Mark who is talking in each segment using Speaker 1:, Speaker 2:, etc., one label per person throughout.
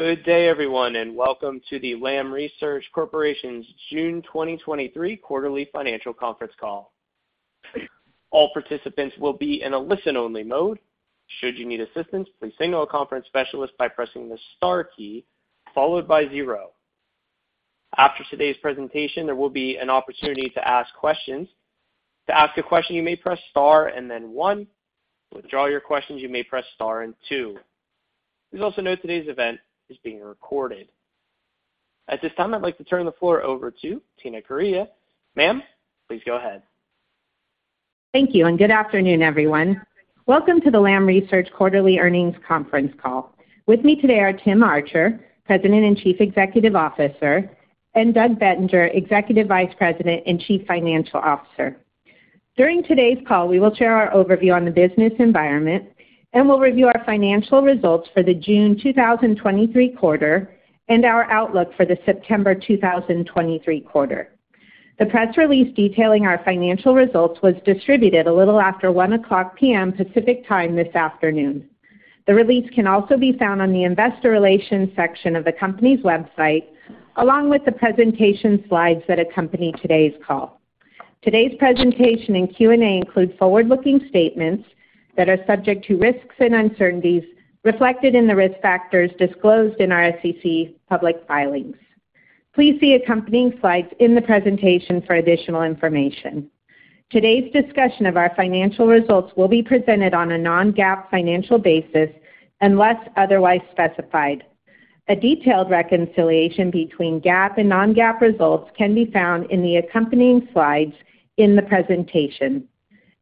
Speaker 1: Good day, everyone, and welcome to the Lam Research Corporation's June 2023 quarterly financial conference call. All participants will be in a listen-only mode. Should you need assistance, please signal a conference specialist by pressing the star key, followed by zero. After today's presentation, there will be an opportunity to ask questions. To ask a question, you may press star and then one. To withdraw your questions, you may press star and two. Please also note today's event is being recorded. At this time, I'd like to turn the floor over to Tina Correia. Ma'am, please go ahead.
Speaker 2: Thank you, and good afternoon, everyone. Welcome to the Lam Research Quarterly Earnings Conference Call. With me today are Tim Archer, President and Chief Executive Officer, and Doug Bettinger, Executive Vice President and Chief Financial Officer. During today's call, we will share our overview on the business environment, and we'll review our financial results for the June 2023 quarter and our outlook for the September 2023 quarter. The press release detailing our financial results was distributed a little after 1:00 P.M. Pacific Time this afternoon. The release can also be found on the investor relations section of the company's website, along with the presentation slides that accompany today's call. Today's presentation and Q&A include forward-looking statements that are subject to risks and uncertainties reflected in the risk factors disclosed in our SEC public filings. Please see accompanying slides in the presentation for additional information. Today's discussion of our financial results will be presented on a non GAAP financial basis, unless otherwise specified. A detailed reconciliation between GAAP and non GAAP results can be found in the accompanying slides in the presentation.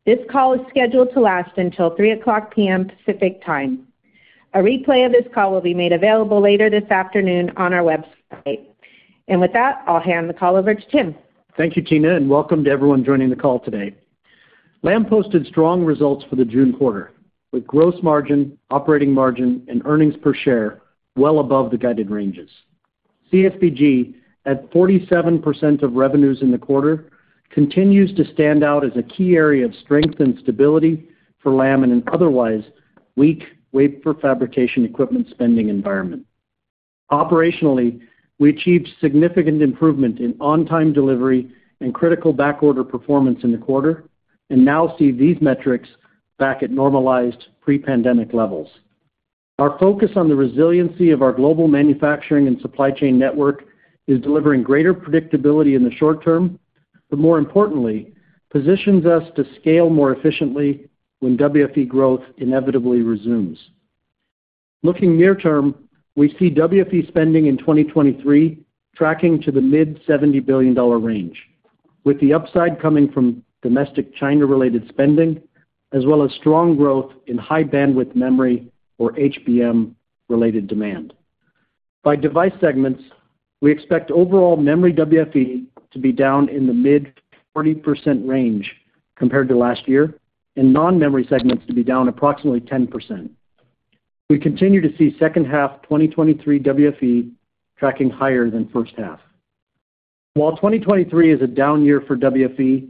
Speaker 2: This call is scheduled to last until 3:00 P.M. Pacific Time. A replay of this call will be made available later this afternoon on our website. With that, I'll hand the call over to Tim.
Speaker 3: Thank you, Tina, and welcome to everyone joining the call today. Lam posted strong results for the June quarter, with gross margin, operating margin, and earnings per share well above the guided ranges. CSBG, at 47% of revenues in the quarter, continues to stand out as a key area of strength and stability for Lam in an otherwise weak wafer fabrication equipment spending environment. Operationally, we achieved significant improvement in on-time delivery and critical backorder performance in the quarter, and now see these metrics back at normalized pre-pandemic levels. Our focus on the resiliency of our global manufacturing and supply chain network is delivering greater predictability in the short term, but more importantly, positions us to scale more efficiently when WFE growth inevitably resumes. Looking near term, we see WFE spending in 2023 tracking to the mid-$70 billion range, with the upside coming from domestic China-related spending, as well as strong growth in High Bandwidth Memory, or HBM, related demand. By device segments, we expect overall memory WFE to be down in the mid 40% range compared to last year, and non-memory segments to be down approximately 10%. We continue to see second half 2023 WFE tracking higher than first half. While 2023 is a down year for WFE,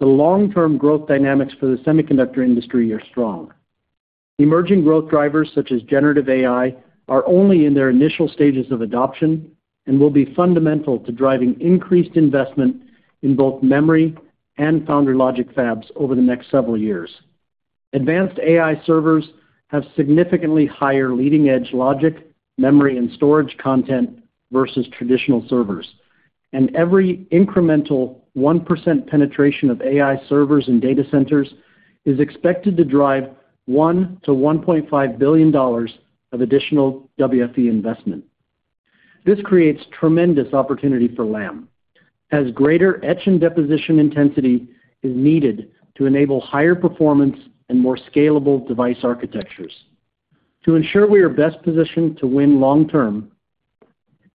Speaker 3: the long-term growth dynamics for the semiconductor industry are strong. Emerging growth drivers, such as generative AI, are only in their initial stages of adoption and will be fundamental to driving increased investment in both memory and foundry logic fabs over the next several years. Advanced AI servers have significantly higher leading-edge logic, memory, and storage content versus traditional servers, and every incremental 1% penetration of AI servers and data centers is expected to drive $1 billion-$1.5 billion of additional WFE investment. This creates tremendous opportunity for Lam, as greater etch and deposition intensity is needed to enable higher performance and more scalable device architectures. To ensure we are best positioned to win long term,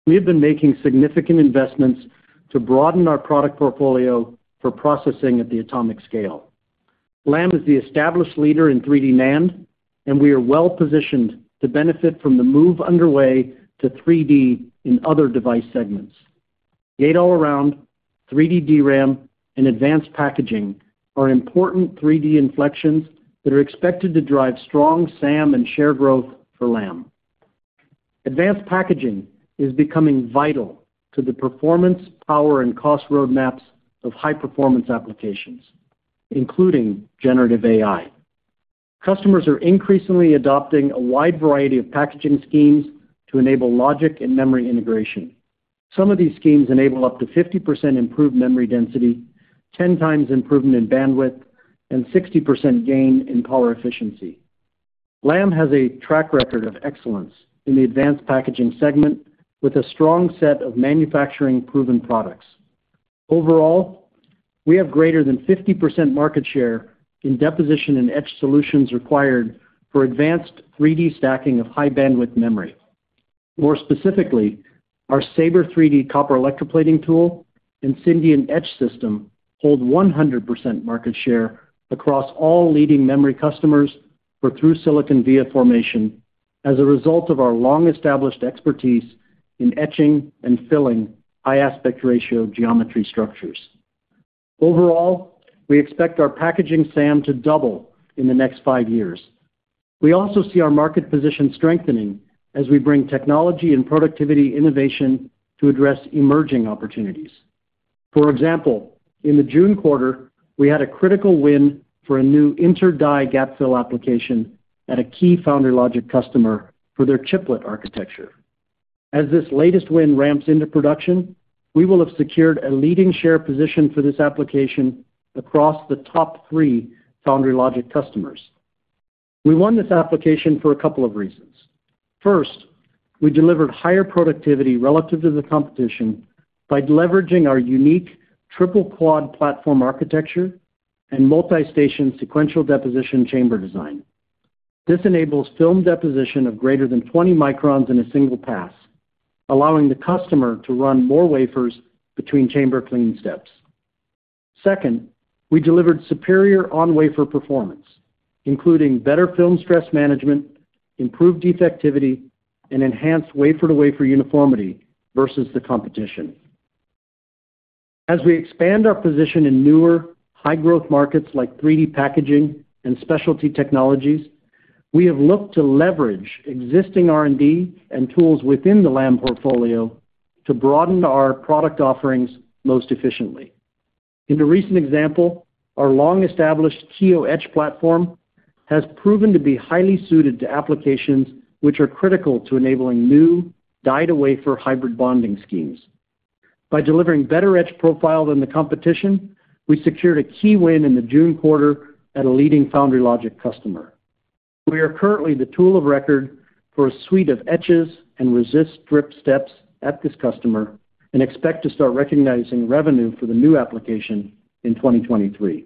Speaker 3: we have been making significant investments to broaden our product portfolio for processing at the atomic scale. Lam is the established leader in 3D NAND, and we are well-positioned to benefit from the move underway to 3D in other device segments. Gate-all-around, 3D DRAM, and advanced packaging are important 3D inflections that are expected to drive strong SAM and share growth for Lam. Advanced packaging is becoming vital to the performance, power, and cost roadmaps of high-performance applications, including generative AI. Customers are increasingly adopting a wide variety of packaging schemes to enable logic and memory integration. Some of these schemes enable up to 50% improved memory density, 10 times improvement in bandwidth, and 60% gain in power efficiency. Lam has a track record of excellence in the advanced packaging segment, with a strong set of manufacturing-proven products. Overall, we have greater than 50% market share in deposition and etch solutions required for advanced 3D stacking of high-bandwidth memory. More specifically, our SABRE 3D copper electroplating tool and Syndion etch system hold 100% market share across all leading memory customers for through-silicon via formation as a result of our long-established expertise in etching and filling high aspect ratio geometry structures. Overall, we expect our packaging SAM to double in the next 5 years. We also see our market position strengthening as we bring technology and productivity innovation to address emerging opportunities. For example, in the June quarter, we had a critical win for a new inter-die gapfill application at a key foundry logic customer for their chiplet architecture. As this latest win ramps into production, we will have secured a leading share position for this application across the top 3 foundry logic customers. We won this application for a couple of reasons. First, we delivered higher productivity relative to the competition by leveraging our unique triple quad platform architecture and Multi-Station Sequential Deposition chamber design. This enables film deposition of greater than 20 microns in a single pass, allowing the customer to run more wafers between chamber cleaning steps. Second, we delivered superior on-wafer performance, including better film stress management, improved defectivity, and enhanced wafer-to-wafer uniformity versus the competition. As we expand our position in newer, high-growth markets like 3D packaging and specialty technologies, we have looked to leverage existing R&D and tools within the Lam portfolio to broaden our product offerings most efficiently. In a recent example, our long-established TEOS etch platform has proven to be highly suited to applications which are critical to enabling new die-wafer hybrid bonding schemes. By delivering better etch profile than the competition, we secured a key win in the June quarter at a leading foundry logic customer. We are currently the tool of record for a suite of etches and resist strip steps at this customer, and expect to start recognizing revenue for the new application in 2023.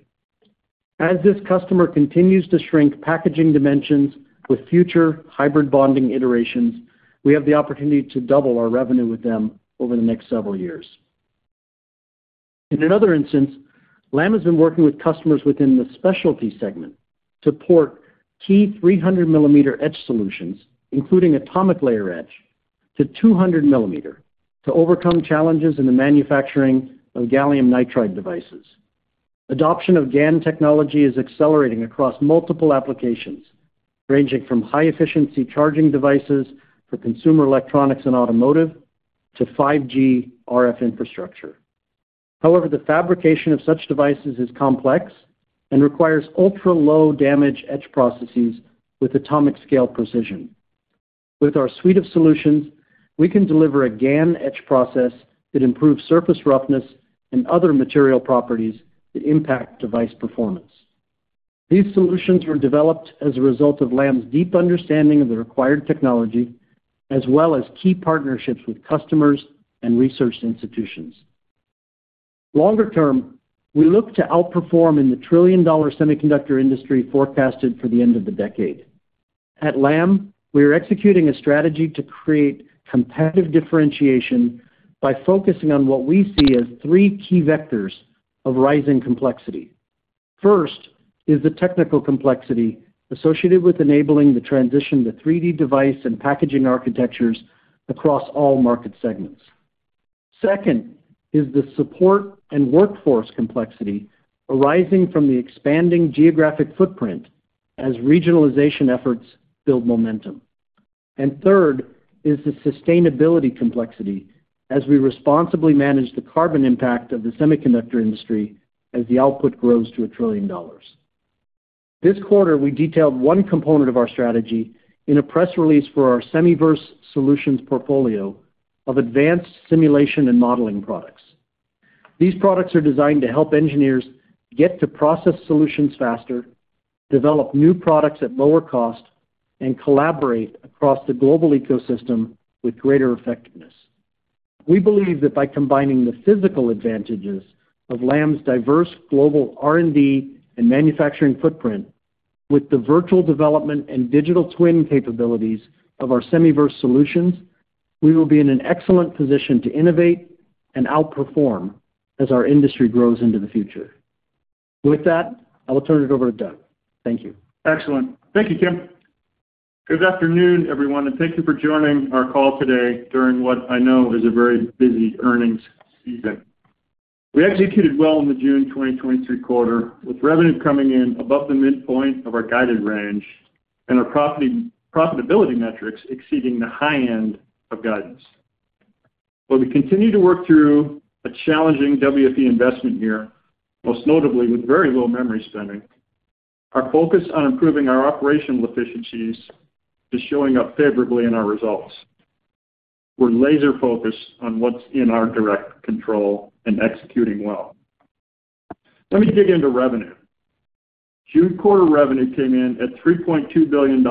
Speaker 3: As this customer continues to shrink packaging dimensions with future hybrid bonding iterations, we have the opportunity to double our revenue with them over the next several years. In another instance, Lam has been working with customers within the specialty segment to port key 300 millimeter etch solutions, including atomic layer etch, to 200 millimeter to overcome challenges in the manufacturing of gallium nitride devices. Adoption of GaN technology is accelerating across multiple applications, ranging from high-efficiency charging devices for consumer electronics and automotive, to 5G RF infrastructure. However, the fabrication of such devices is complex and requires ultra-low damage etch processes with atomic scale precision. With our suite of solutions, we can deliver a GaN etch process that improves surface roughness and other material properties that impact device performance. These solutions were developed as a result of Lam's deep understanding of the required technology, as well as key partnerships with customers and research institutions. Longer term, we look to outperform in the $1 trillion semiconductor industry forecasted for the end of the decade. At Lam, we are executing a strategy to create competitive differentiation by focusing on what we see as three key vectors of rising complexity. First, is the technical complexity associated with enabling the transition to 3D device and packaging architectures across all market segments. Second, is the support and workforce complexity arising from the expanding geographic footprint as regionalization efforts build momentum. Third, is the sustainability complexity, as we responsibly manage the carbon impact of the semiconductor industry as the output grows to $1 trillion. This quarter, we detailed one component of our strategy in a press release for our Semiverse Solutions portfolio of advanced simulation and modeling products. These products are designed to help engineers get to process solutions faster, develop new products at lower cost, and collaborate across the global ecosystem with greater effectiveness. We believe that by combining the physical advantages of Lam's diverse global R&D and manufacturing footprint, with the virtual development and digital twin capabilities of our Semiverse Solutions, we will be in an excellent position to innovate and outperform as our industry grows into the future. With that, I will turn it over to Doug. Thank you.
Speaker 4: Excellent. Thank you, Tim. Good afternoon, everyone, thank you for joining our call today during what I know is a very busy earnings season. We executed well in the June 2023 quarter, with revenue coming in above the midpoint of our guided range and our profitability metrics exceeding the high end of guidance. While we continue to work through a challenging WFE investment year, most notably with very low memory spending, our focus on improving our operational efficiencies is showing up favorably in our results. We're laser-focused on what's in our direct control and executing well. Let me dig into revenue. June quarter revenue came in at $3.2 billion,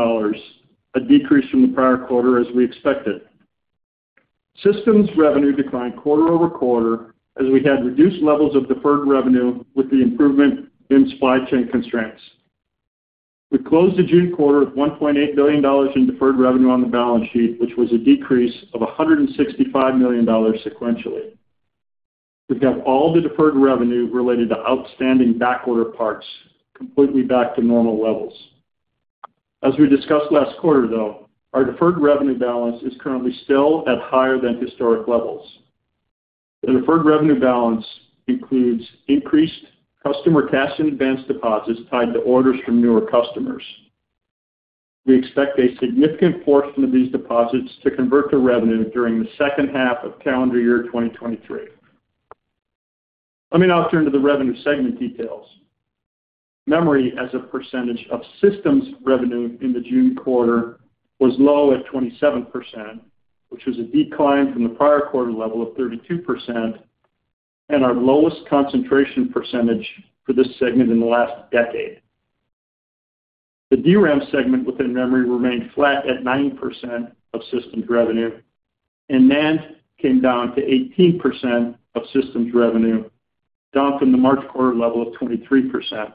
Speaker 4: a decrease from the prior quarter, as we expected. Systems revenue declined quarter-over-quarter as we had reduced levels of deferred revenue with the improvement in supply chain constraints. We closed the June quarter with $1.8 billion in deferred revenue on the balance sheet, which was a decrease of $165 million sequentially. We've got all the deferred revenue related to outstanding backorder parts completely back to normal levels. As we discussed last quarter, though, our deferred revenue balance is currently still at higher than historic levels. The deferred revenue balance includes increased customer cash and advance deposits tied to orders from newer customers. We expect a significant portion of these deposits to convert to revenue during the second half of calendar year 2023. Let me now turn to the revenue segment details. Memory as a percentage of systems revenue in the June quarter was low at 27%, which was a decline from the prior quarter level of 32%. Our lowest concentration percentage for this segment in the last decade. The DRAM segment within memory remained flat at 9% of systems revenue. NAND came down to 18% of systems revenue, down from the March quarter level of 23%.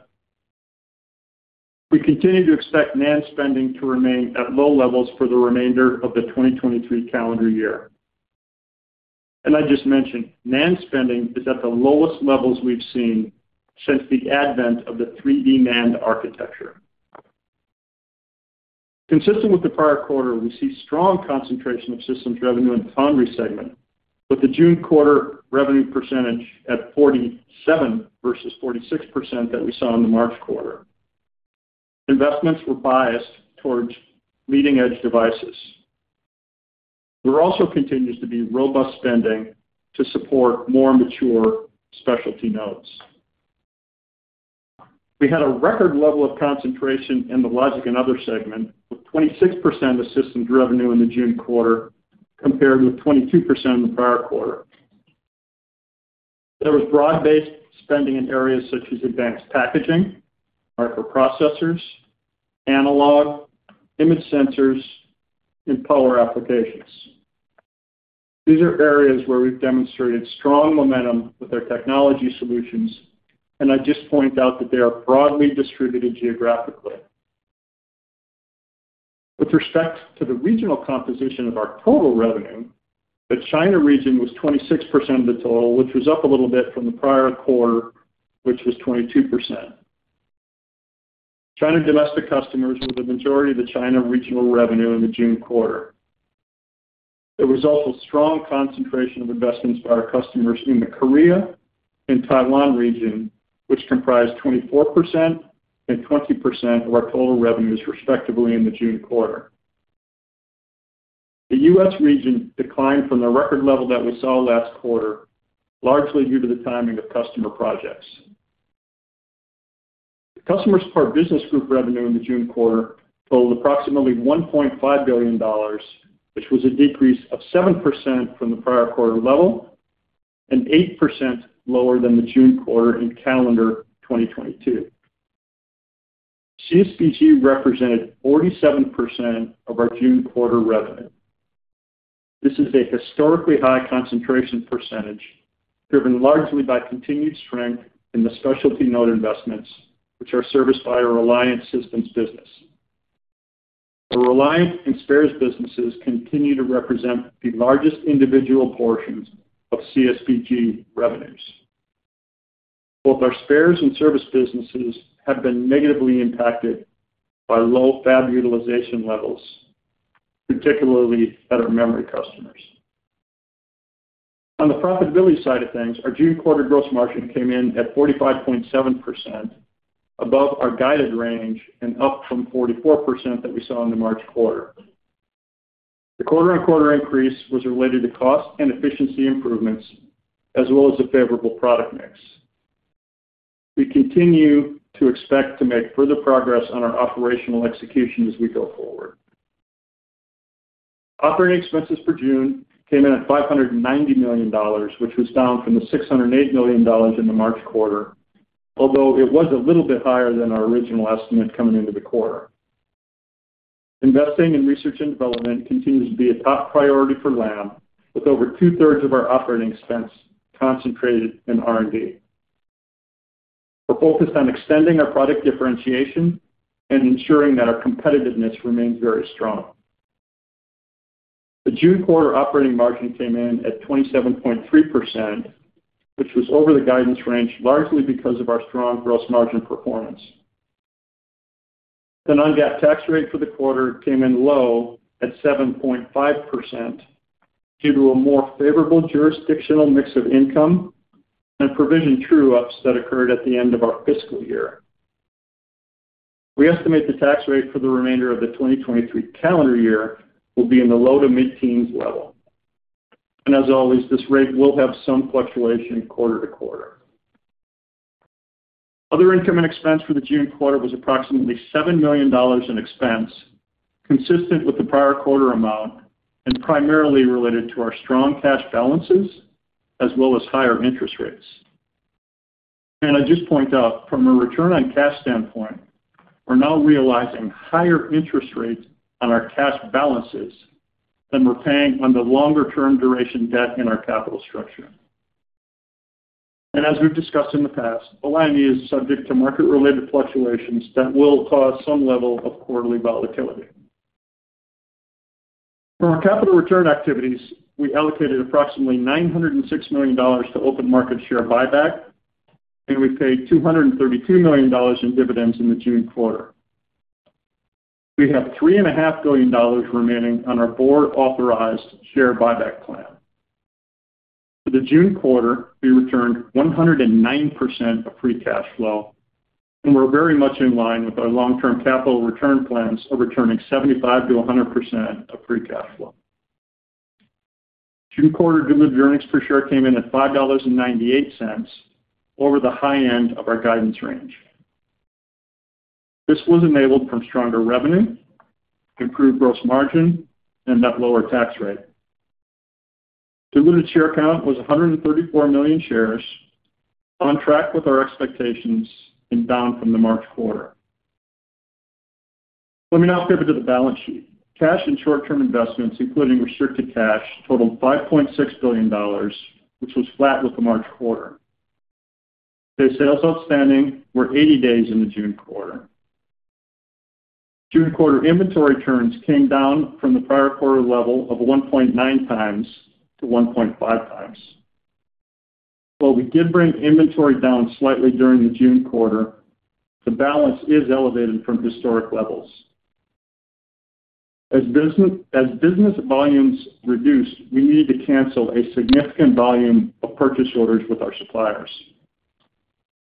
Speaker 4: We continue to expect NAND spending to remain at low levels for the remainder of the 2023 calendar year. I just mentioned, NAND spending is at the lowest levels we've seen since the advent of the 3D NAND architecture. Consistent with the prior quarter, we see strong concentration of systems revenue in the foundry segment, with the June quarter revenue percentage at 47 versus 46% that we saw in the March quarter. Investments were biased towards leading-edge devices. There also continues to be robust spending to support more mature specialty nodes. We had a record level of concentration in the logic and other segment, with 26% of systems revenue in the June quarter compared with 22% in the prior quarter. There was broad-based spending in areas such as advanced packaging, microprocessors, analog, image sensors, and power applications. These are areas where we've demonstrated strong momentum with our technology solutions, and I just point out that they are broadly distributed geographically. With respect to the regional composition of our total revenue, the China region was 26% of the total, which was up a little bit from the prior quarter, which was 22%. China domestic customers were the majority of the China regional revenue in the June quarter. There was also strong concentration of investments by our customers in the Korea and Taiwan region, which comprised 24% and 20% of our total revenues, respectively, in the June quarter. The U.S. region declined from the record level that we saw last quarter, largely due to the timing of customer projects. The customers part business group revenue in the June quarter totaled approximately $1.5 billion, which was a decrease of 7% from the prior quarter level and 8% lower than the June quarter in calendar 2022. CSPG represented 47% of our June quarter revenue. This is a historically high concentration percentage, driven largely by continued strength in the specialty node investments, which are serviced by our Reliant Systems business. Our Reliant and Spares businesses continue to represent the largest individual portions of CSPG revenues. Both our spares and service businesses have been negatively impacted by low fab utilization levels, particularly at our memory customers. On the profitability side of things, our June quarter gross margin came in at 45.7%, above our guided range and up from 44% that we saw in the March quarter. The quarter-over-quarter increase was related to cost and efficiency improvements, as well as a favorable product mix. We continue to expect to make further progress on our operational execution as we go forward. Operating expenses for June came in at $590 million, which was down from the $608 million in the March quarter, although it was a little bit higher than our original estimate coming into the quarter. Investing in research and development continues to be a top priority for Lam, with over two-thirds of our operating expense concentrated in R&D. We're focused on extending our product differentiation and ensuring that our competitiveness remains very strong. The June quarter operating margin came in at 27.3%, which was over the guidance range, largely because of our strong gross margin performance. The non-GAAP tax rate for the quarter came in low at 7.5%, due to a more favorable jurisdictional mix of income and provision true-ups that occurred at the end of our fiscal year. We estimate the tax rate for the remainder of the 2023 calendar year will be in the low-to-mid-teens level. As always, this rate will have some fluctuation quarter to quarter. Other income and expense for the June quarter was approximately $7 million in expense, consistent with the prior quarter amount and primarily related to our strong cash balances as well as higher interest rates. I just point out, from a return on cash standpoint, we're now realizing higher interest rates on our cash balances than we're paying on the longer-term duration debt in our capital structure. As we've discussed in the past, Our Licensing is subject to market-related fluctuations that will cause some level of quarterly volatility. Our capital return activities, we allocated approximately $906 million to open market share buyback, and we paid $232 million in dividends in the June quarter. We have three and a half billion dollars remaining on our board-authorized share buyback plan. For the June quarter, we returned 109% of free cash flow. We're very much in line with our long-term capital return plans of returning 75%-100% of free cash flow. June quarter diluted earnings per share came in at $5.98 over the high end of our guidance range. This was enabled from stronger revenue, improved gross margin, and that lower tax rate. Diluted share count was 134 million shares, on track with our expectations and down from the March quarter. Let me now skip it to the balance sheet. Cash and short-term investments, including restricted cash, totaled $5.6 billion, which was flat with the March quarter. Day sales outstanding were 80 days in the June quarter. June quarter inventory turns came down from the prior quarter level of 1.9 times to 1.5 times. While we did bring inventory down slightly during the June quarter, the balance is elevated from historic levels. As business volumes reduce, we need to cancel a significant volume of purchase orders with our suppliers.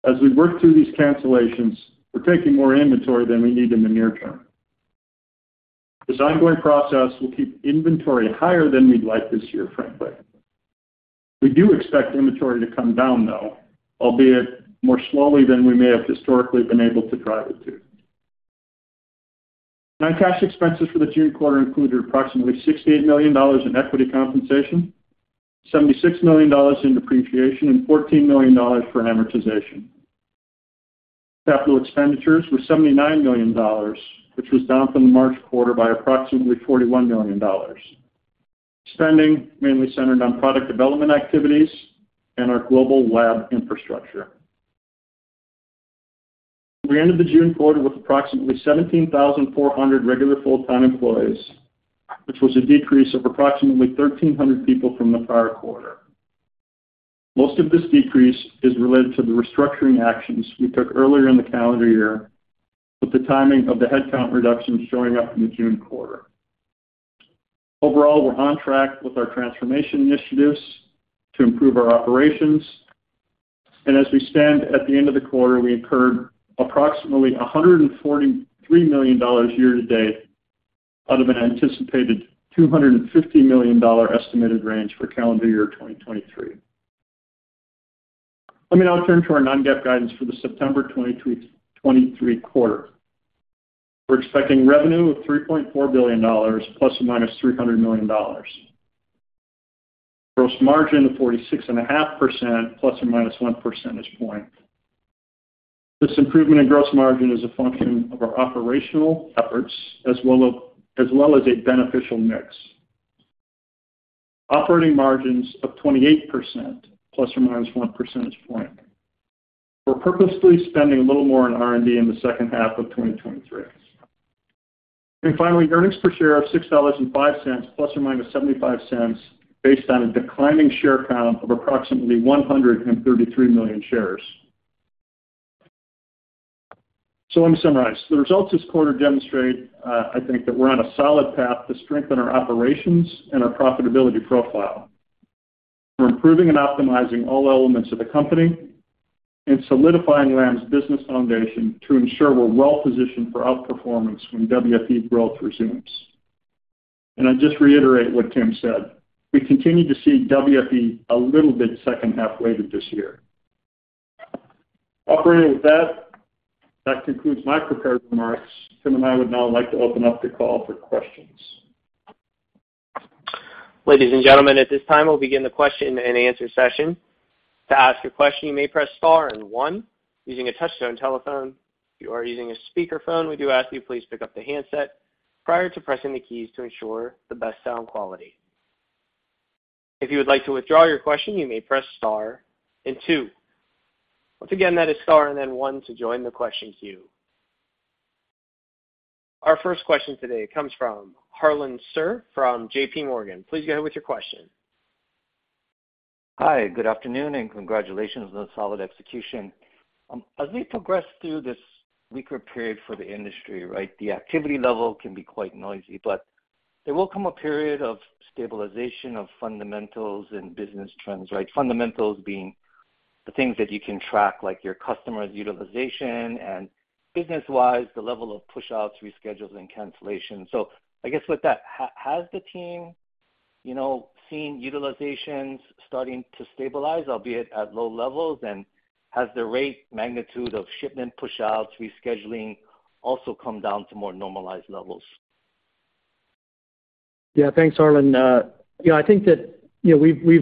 Speaker 4: As we work through these cancellations, we're taking more inventory than we need in the near term. This ongoing process will keep inventory higher than we'd like this year, frankly. We do expect inventory to come down, though, albeit more slowly than we may have historically been able to drive it to. Non-cash expenses for the June quarter included approximately $68 million in equity compensation, $76 million in depreciation, and $14 million for amortization. CapEx were $79 million, which was down from the March quarter by approximately $41 million. Spending mainly centered on product development activities and our global lab infrastructure. We ended the June quarter with approximately 17,400 regular full-time employees, which was a decrease of approximately 1,300 people from the prior quarter. Most of this decrease is related to the restructuring actions we took earlier in the calendar year, with the timing of the headcount reduction showing up in the June quarter. We're on track with our transformation initiatives to improve our operations, and as we stand at the end of the quarter, we incurred approximately $143 million year-to-date, out of an anticipated $250 million estimated range for calendar year 2023. Let me now turn to our non-GAAP guidance for the September 2023 quarter. We're expecting revenue of $3.4 billion, ±$300 million. Gross margin of 46.5%, ±1 percentage point. This improvement in gross margin is a function of our operational efforts, as well as a beneficial mix. Operating margins of 28%, ±1 percentage point. We're purposefully spending a little more on R&D in the second half of 2023. Finally, earnings per share of $6.05, ±$0.75, based on a declining share count of approximately 133 million shares. Let me summarize. The results this quarter demonstrate, I think that we're on a solid path to strengthen our operations and our profitability profile. We're improving and optimizing all elements of the company and solidifying Lam's business foundation to ensure we're well positioned for outperformance when WFE growth resumes. I just reiterate what Tim said, we continue to see WFE a little bit second-half weighted this year. Operating with that concludes my prepared remarks. Tim and I would now like to open up the call for questions.
Speaker 1: Ladies and gentlemen, at this time, we'll begin the question-and-answer session. To ask a question, you may press star and 1 using a touch tone telephone. If you are using a speakerphone, we do ask you please pick up the handset prior to pressing the keys to ensure the best sound quality. If you would like to withdraw your question, you may press star and 2. Once again, that is star and then 1 to join the question queue. Our first question today comes from Harlan Sur from JP Morgan. Please go ahead with your question.
Speaker 5: Hi, good afternoon, and congratulations on the solid execution. As we progress through this weaker period for the industry, right, the activity level can be quite noisy, but there will come a period of stabilization of fundamentals and business trends, right? Fundamentals being the things that you can track, like your customers' utilization and business-wise, the level of pushouts, reschedules, and cancellations. I guess with that, has the team, you know, seen utilizations starting to stabilize, albeit at low levels? Has the rate magnitude of shipment pushouts, rescheduling also come down to more normalized levels?
Speaker 4: Yeah. Thanks, Harlan. you know, I think that, you know,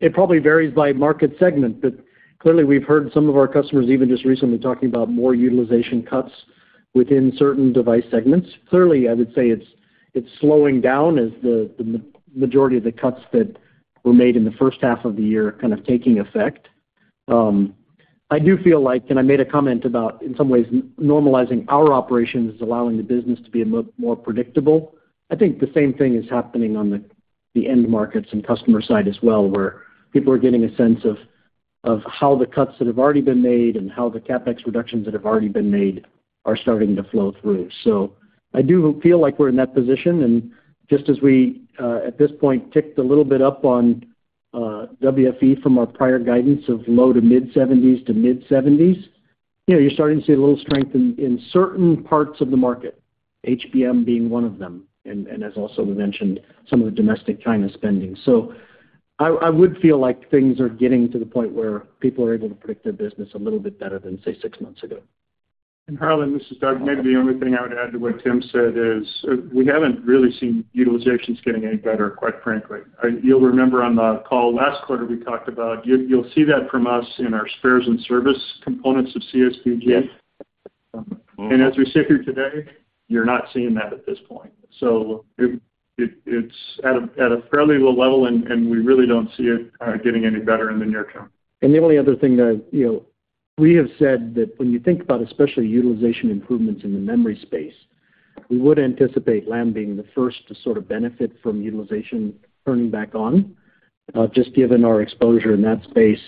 Speaker 4: it probably varies by market segment. Clearly, we've heard some of our customers, even just recently, talking about more utilization cuts within certain device segments. Clearly, I would say it's slowing down as the majority of the cuts that were made in the first half of the year are kind of taking effect.
Speaker 3: I do feel like, and I made a comment about, in some ways, normalizing our operations is allowing the business to be a little more predictable. I think the same thing is happening on the end markets and customer side as well, where people are getting a sense of how the cuts that have already been made and how the CapEx reductions that have already been made are starting to flow through. I do feel like we're in that position, and just as we, at this point, ticked a little bit up on WFE from our prior guidance of low to mid 70's to mid 70's, you know, you're starting to see a little strength in certain parts of the market, HBM being one of them, and as also we mentioned, some of the domestic China spending. I would feel like things are getting to the point where people are able to predict their business a little bit better than, say, six months ago.
Speaker 4: Harlan, this is Doug. Maybe the only thing I would add to what Tim said is, we haven't really seen utilizations getting any better, quite frankly. You'll remember on the call last quarter, we talked about, you'll see that from us in our spares and service components of CSPG.
Speaker 3: Yes.
Speaker 4: As we sit here today, you're not seeing that at this point. It's at a fairly low level, and we really don't see it getting any better in the near term.
Speaker 3: The only other thing that, you know, we have said that when you think about especially utilization improvements in the memory space, we would anticipate Lam being the first to sort of benefit from utilization turning back on, just given our exposure in that space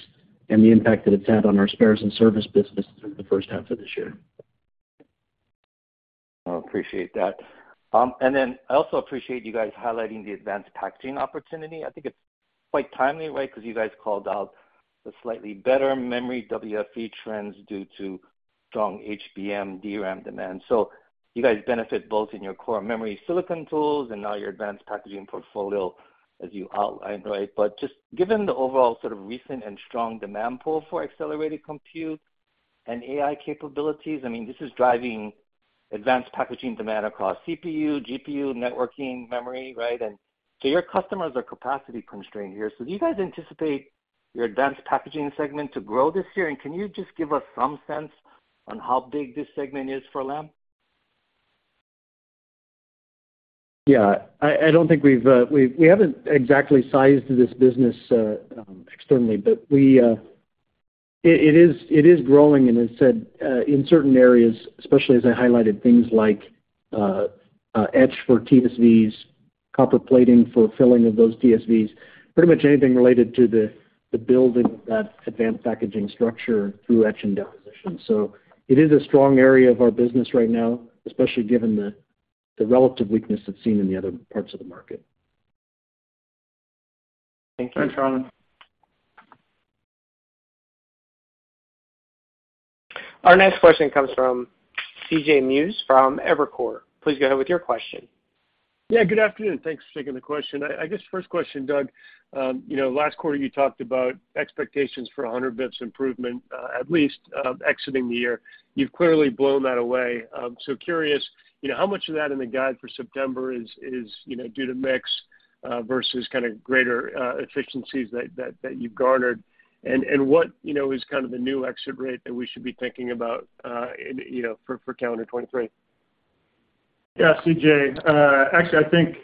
Speaker 3: and the impact that it's had on our spares and service business through the first half of this year.
Speaker 5: I appreciate that. I also appreciate you guys highlighting the advanced packaging opportunity. I think it's quite timely, right? You guys called out the slightly better memory WFE trends due to strong HBM, DRAM demand. You guys benefit both in your core memory silicon tools and now your advanced packaging portfolio, as you outlined, right? Just given the overall sort of recent and strong demand pull for accelerated compute and AI capabilities, I mean, this is driving advanced packaging demand across CPU, GPU, networking, memory, right? Your customers are capacity constrained here. Do you guys anticipate your advanced packaging segment to grow this year, and can you just give us some sense on how big this segment is for Lam?
Speaker 3: Yeah. I don't think we haven't exactly sized this business externally, but we. It is growing, and as said, in certain areas, especially as I highlighted, things like etch for TSVs, copper plating for filling of those TSVs, pretty much anything related to the building that advanced packaging structure through etch and deposition. It is a strong area of our business right now, especially given the relative weakness that's seen in the other parts of the market.
Speaker 5: Thank you.
Speaker 4: Thanks, Harlan.
Speaker 1: Our next question comes from C.J. Muse, from Evercore. Please go ahead with your question.
Speaker 6: Good afternoon. Thanks for taking the question. I guess first question, Doug, you know, last quarter, you talked about expectations for 100 basis points improvement, at least, exiting the year. You've clearly blown that away. Curious, you know, how much of that in the guide for September is, you know, due to mix, versus kind of greater efficiencies that you've garnered? What, you know, is kind of the new exit rate that we should be thinking about, for calendar 2023?
Speaker 4: Yeah, C.J., actually, I think,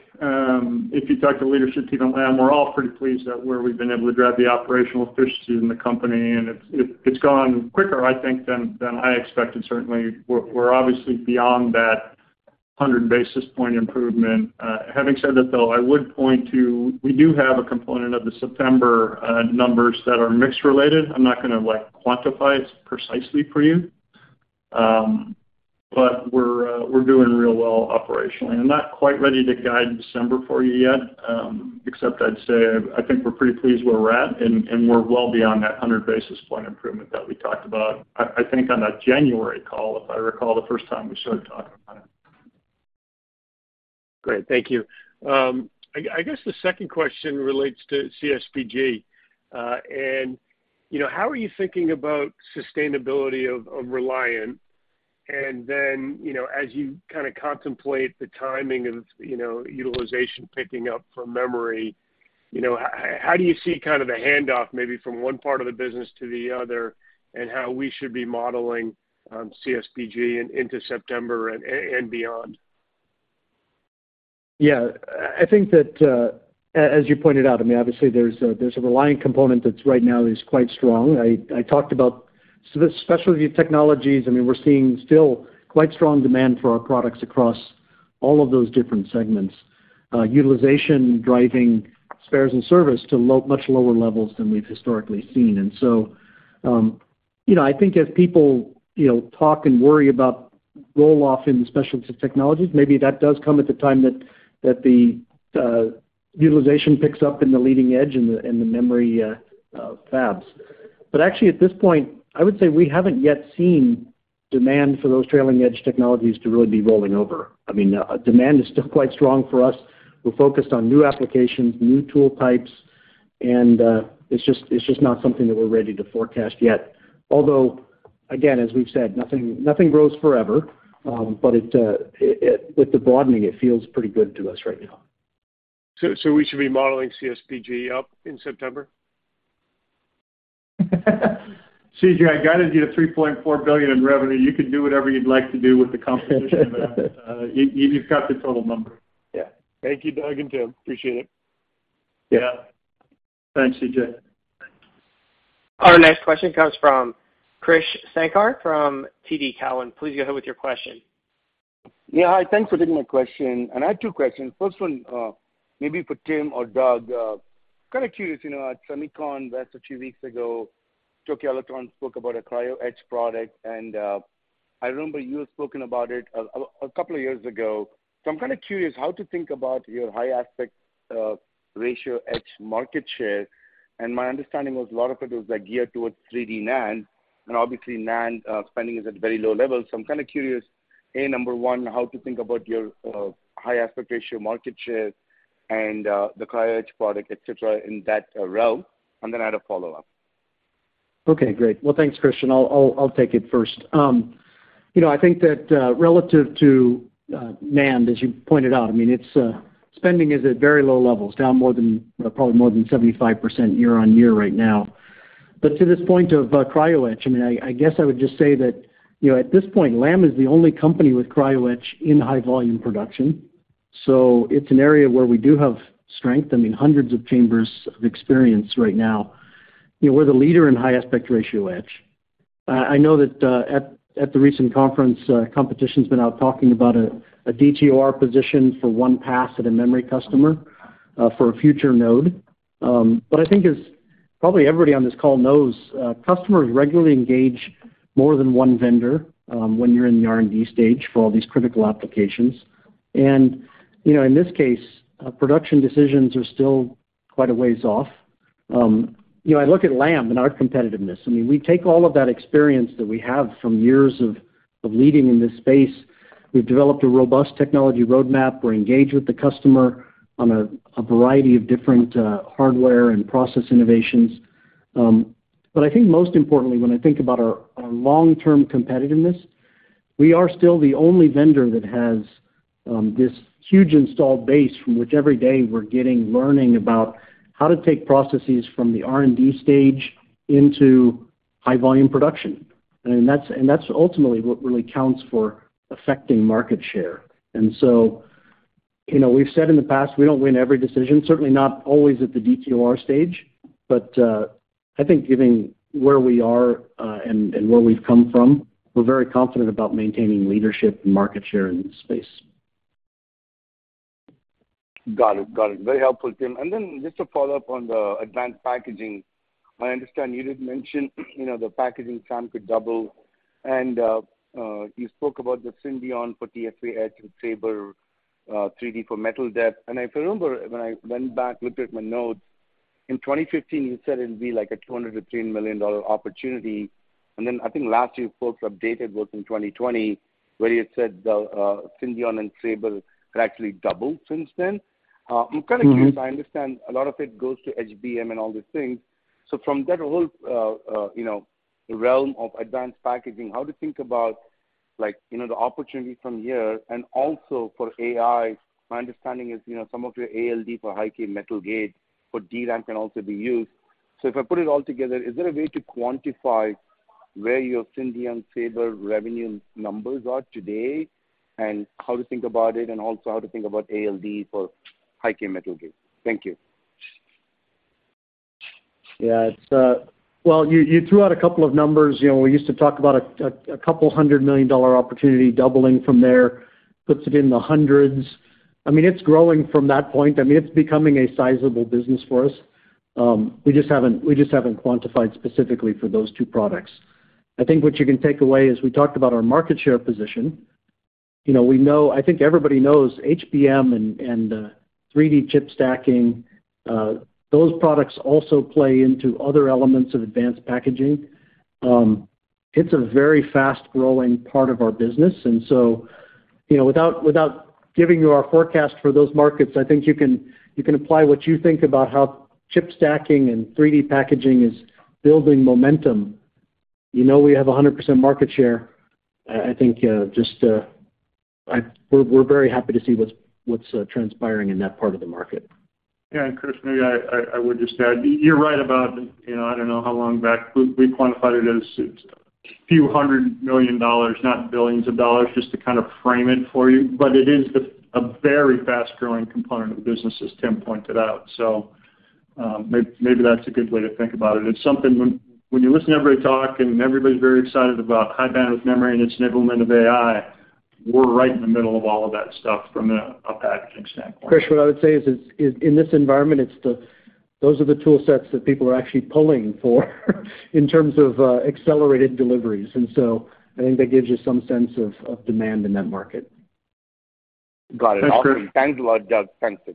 Speaker 4: if you talk to leadership team at Lam, we're all pretty pleased at where we've been able to drive the operational efficiency in the company, it's gone quicker, I think, than I expected. Certainly, we're obviously beyond that 100 basis point improvement. Having said that, though, I would point to, we do have a component of the September numbers that are mix related. I'm not gonna, like, quantify it precisely for you, we're doing real well operationally. I'm not quite ready to guide December for you yet, except I'd say I think we're pretty pleased where we're at, and we're well beyond that 100 basis point improvement that we talked about, I think, on that January call, if I recall, the first time we started talking about it.
Speaker 6: Great. Thank you. I guess the second question relates to CSPG. You know, how are you thinking about sustainability of Reliant? Then, you know, as you kind of contemplate the timing of, you know, utilization picking up from memory, you know, how do you see kind of the handoff maybe from one part of the business to the other, and how we should be modeling CSPG into September and beyond?
Speaker 3: Yeah. I think that, as you pointed out, I mean, obviously there's a Reliant component that's right now is quite strong. I talked about the specialty technologies. I mean, we're seeing still quite strong demand for our products across all of those different segments. Utilization driving spares and service to much lower levels than we've historically seen. You know, I think as people, you know, talk and worry about roll-off in the specialty technologies, maybe that does come at the time that the utilization picks up in the leading edge in the memory fabs. Actually, at this point, I would say we haven't yet seen demand for those trailing edge technologies to really be rolling over. I mean, demand is still quite strong for us. We're focused on new applications, new tool types, and, it's just not something that we're ready to forecast yet. Again, as we've said, nothing grows forever, but with the broadening, it feels pretty good to us right now.
Speaker 6: We should be modeling CSPG up in September?...
Speaker 4: C.J., I guided you to $3.4 billion in revenue. You can do whatever you'd like to do with the competition. You've got the total number.
Speaker 6: Yeah. Thank you, Doug and Tim. Appreciate it.
Speaker 3: Yeah.
Speaker 4: Thanks, CJ.
Speaker 1: Our next question comes from Krish Sankar from TD Cowen. Please go ahead with your question.
Speaker 7: Yeah. Hi, thanks for taking my question. I have 2 questions. First one, maybe for Tim or Doug. Kind of curious, you know, at SEMICON last or 2 weeks ago, Tokyo Electron spoke about a Cryogenic Etch product. I remember you had spoken about it a couple of years ago. I'm kind of curious how to think about your high aspect ratio, etch market share. My understanding was a lot of it was, like, geared towards 3D NAND, and obviously, NAND spending is at very low levels. I'm kind of curious, A, number 1, how to think about your high aspect ratio, market share, and the Cryogenic Etch product, et cetera, in that realm. I had a follow-up.
Speaker 3: Okay, great. Well, thanks, Christian. I'll take it first. You know, I think that relative to NAND, as you pointed out, I mean, spending is at very low levels, down more than, probably more than 75% year-on-year right now. To this point of Cryogenic Etch, I mean, I guess I would just say that, you know, at this point, Lam is the only company with Cryogenic Etch in high volume production. It's an area where we do have strength. I mean, hundreds of chambers of experience right now. You know, we're the leader in high aspect ratio etch. I know that at the recent conference, competition's been out talking about a DTOR position for one pass at a memory customer for a future node. I think as probably everybody on this call knows, customers regularly engage more than 1 vendor when you're in the R&D stage for all these critical applications. You know, in this case, production decisions are still quite a ways off. You know, I look at Lam and our competitiveness. I mean, we take all of that experience that we have from years of leading in this space. We've developed a robust technology roadmap. We're engaged with the customer on a variety of different hardware and process innovations. I think most importantly, when I think about our long-term competitiveness, we are still the only vendor that has this huge installed base from which every day we're getting learning about how to take processes from the R&D stage into high volume production. That's ultimately what really counts for affecting market share. You know, we've said in the past, we don't win every decision, certainly not always at the DTOR stage, but I think given where we are and where we've come from, we're very confident about maintaining leadership and market share in this space.
Speaker 7: Got it. Got it. Very helpful, Tim. Just to follow up on the advanced packaging, I understand you did mention, you know, the packaging time could double, and you spoke about the Syndion for 3D etch with SABRE, 3D for metal depth. If I remember, when I went back, looked at my notes, in 2015, you said it'd be like a $200 million to $3 million opportunity. I think last year, you folks updated what in 2020, where you said the Syndion and SABRE had actually doubled since then. I'm kind of curious.
Speaker 3: Mm-hmm.
Speaker 7: I understand a lot of it goes to HBM and all these things. From that whole, you know, realm of advanced packaging, how to think about like, you know, the opportunity from here and also for AI, my understanding is, you know, some of your ALD for High-K Metal Gate for DRAM can also be used. If I put it all together, is there a way to quantify where your Syndion SABRE revenue numbers are today? How to think about it, and also how to think about ALD for High-K Metal Gate? Thank you.
Speaker 3: Yeah, it's. Well, you threw out a couple of numbers. You know, we used to talk about a $200 million opportunity doubling from there, puts it in the hundreds. I mean, it's growing from that point. I mean, it's becoming a sizable business for us. We just haven't quantified specifically for those two products. I think what you can take away is we talked about our market share position. You know, we know. I think everybody knows HBM and 3D chip stacking. Those products also play into other elements of advanced packaging. It's a very fast-growing part of our business, you know, without giving you our forecast for those markets, I think you can apply what you think about how chip stacking and 3D packaging is building momentum. You know, we have 100% market share. I think, just, we're very happy to see what's transpiring in that part of the market.
Speaker 4: Yeah, Krish, maybe I would just add, you know, I don't know how long back we quantified it as a few hundred million dollars, not billions of dollars, just to kind of frame it for you. It is the, a very fast-growing component of the business, as Tim pointed out. Maybe that's a good way to think about it. It's something when you listen to everybody talk and everybody's very excited about high-bandwidth memory and its enablement of AI, we're right in the middle of all of that stuff from a packaging standpoint.
Speaker 3: Krish, what I would say is, in this environment, it's those are the tool sets that people are actually pulling for, in terms of accelerated deliveries. I think that gives you some sense of demand in that market.
Speaker 7: Got it.
Speaker 4: Sure.
Speaker 7: Thanks a lot, Doug. Thanks, Tim.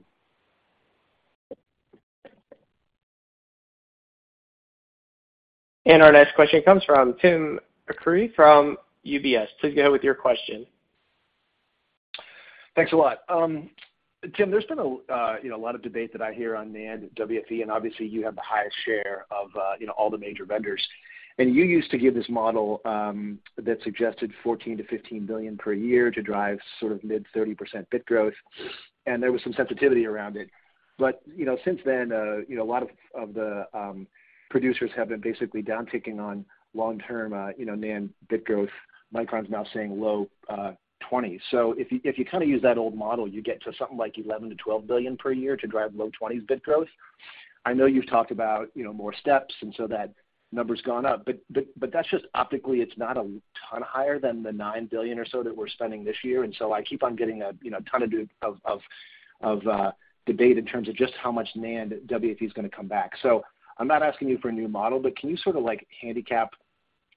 Speaker 1: Our next question comes from Timothy Arcuri from UBS. Please go with your question.
Speaker 8: Thanks a lot. Tim, there's been a, you know, a lot of debate that I hear on NAND WFE, and obviously, you have the highest share of, you know, all the major vendors. You used to give this model that suggested $14 billion-$15 billion per year to drive sort of mid-30% bit growth, and there was some sensitivity around it. You know, since then, you know, a lot of the producers have been basically downticking on long-term, you know, NAND bit growth. Micron is now saying low 20s. If you, if you kind of use that old model, you get to something like $11 billion-$12 billion per year to drive low 20s bit growth. I know you've talked about, you know, more steps, and so that number's gone up, but that's just optically, it's not a ton higher than the $9 billion or so that we're spending this year. I keep on getting a, you know, a ton of debate in terms of just how much NAND WFE is going to come back. I'm not asking you for a new model, but can you sort of, like, handicap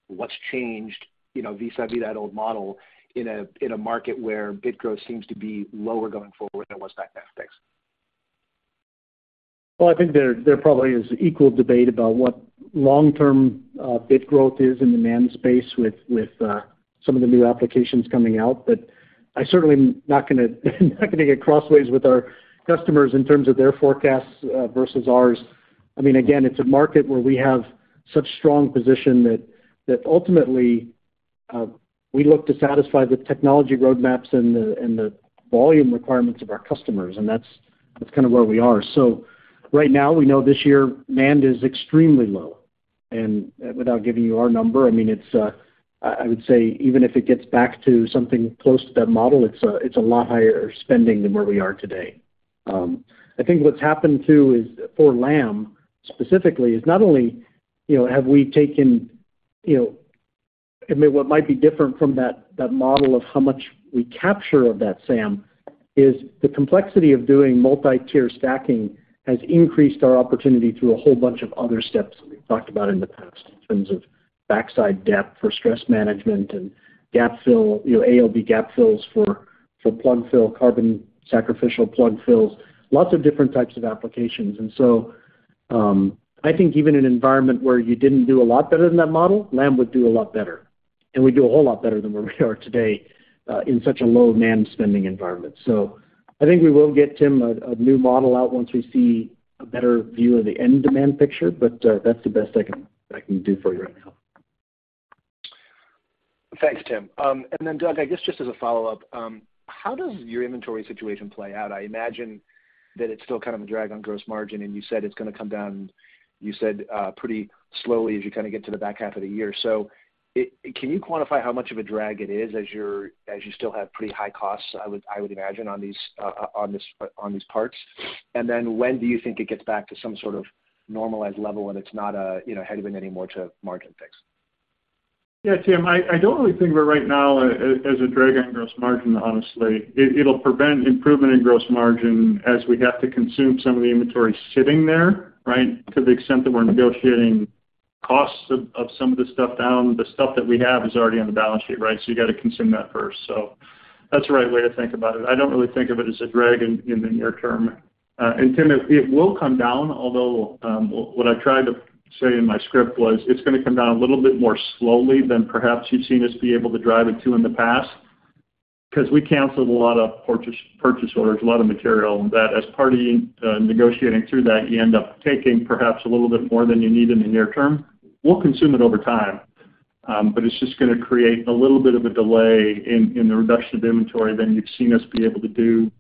Speaker 8: what's changed, you know, vis-à-vis that old model in a, in a market where bit growth seems to be lower going forward than it was back then? Thanks.
Speaker 3: e probably is equal debate about what long-term bit growth is in the NAND space with some of the new applications coming out. But I certainly am not going to get crossways with our customers in terms of their forecasts versus ours. I mean, again, it's a market where we have such strong position that ultimately we look to satisfy the technology roadmaps and the volume requirements of our customers, and that's kind of where we are. So right now, we know this year, NAND is extremely low. And without giving you our number, I mean, I would say even if it gets back to something close to that model, it's a lot higher spending than where we are today I think what's happened, too, is for Lam specifically, is not only, you know, have we taken, I mean, what might be different from that model of how much we capture of that, SAM, is the complexity of doing multi-tier stacking has increased our opportunity through a whole bunch of other steps that we've talked about in the past, in terms of backside depth for stress management and gap fill, you know, ALD gap fills for plug fill, carbon sacrificial plug fills, lots of different types of applications. I think even an environment where you didn't do a lot better than that model, Lam would do a lot better, and we do a whole lot better than where we are today, in such a low NAND spending environment. I think we will get, Tim, a new model out once we see a better view of the end demand picture, but that's the best I can do for you right now.
Speaker 8: Thanks, Tim. Doug, I guess just as a follow-up, how does your inventory situation play out? I imagine that it's still kind of a drag on gross margin, and you said it's going to come down, you said, pretty slowly as you kind of get to the back half of the year. Can you quantify how much of a drag it is as you still have pretty high costs, I would imagine, on these parts? When do you think it gets back to some sort of normalized level, and it's not a, you know, headwind anymore to margin, thanks.
Speaker 4: Yeah, Tim, I don't really think we're right now as a drag on gross margin, honestly. It'll prevent improvement in gross margin as we have to consume some of the inventory sitting there, right? To the extent that we're negotiating costs of some of the stuff down, the stuff that we have is already on the balance sheet, right? You got to consume that first. That's the right way to think about it. I don't really think of it as a drag in the near term. Tim, it will come down, although what I tried to say in my script was, it's going to come down a little bit more slowly than perhaps you've seen us be able to drive it to in the past. We canceled a lot of purchase orders, a lot of material, that as part of negotiating through that, you end up taking perhaps a little bit more than you need in the near term. We'll consume it over time, but it's just going to create a little bit of a delay in the reduction of inventory than you've seen us be able to do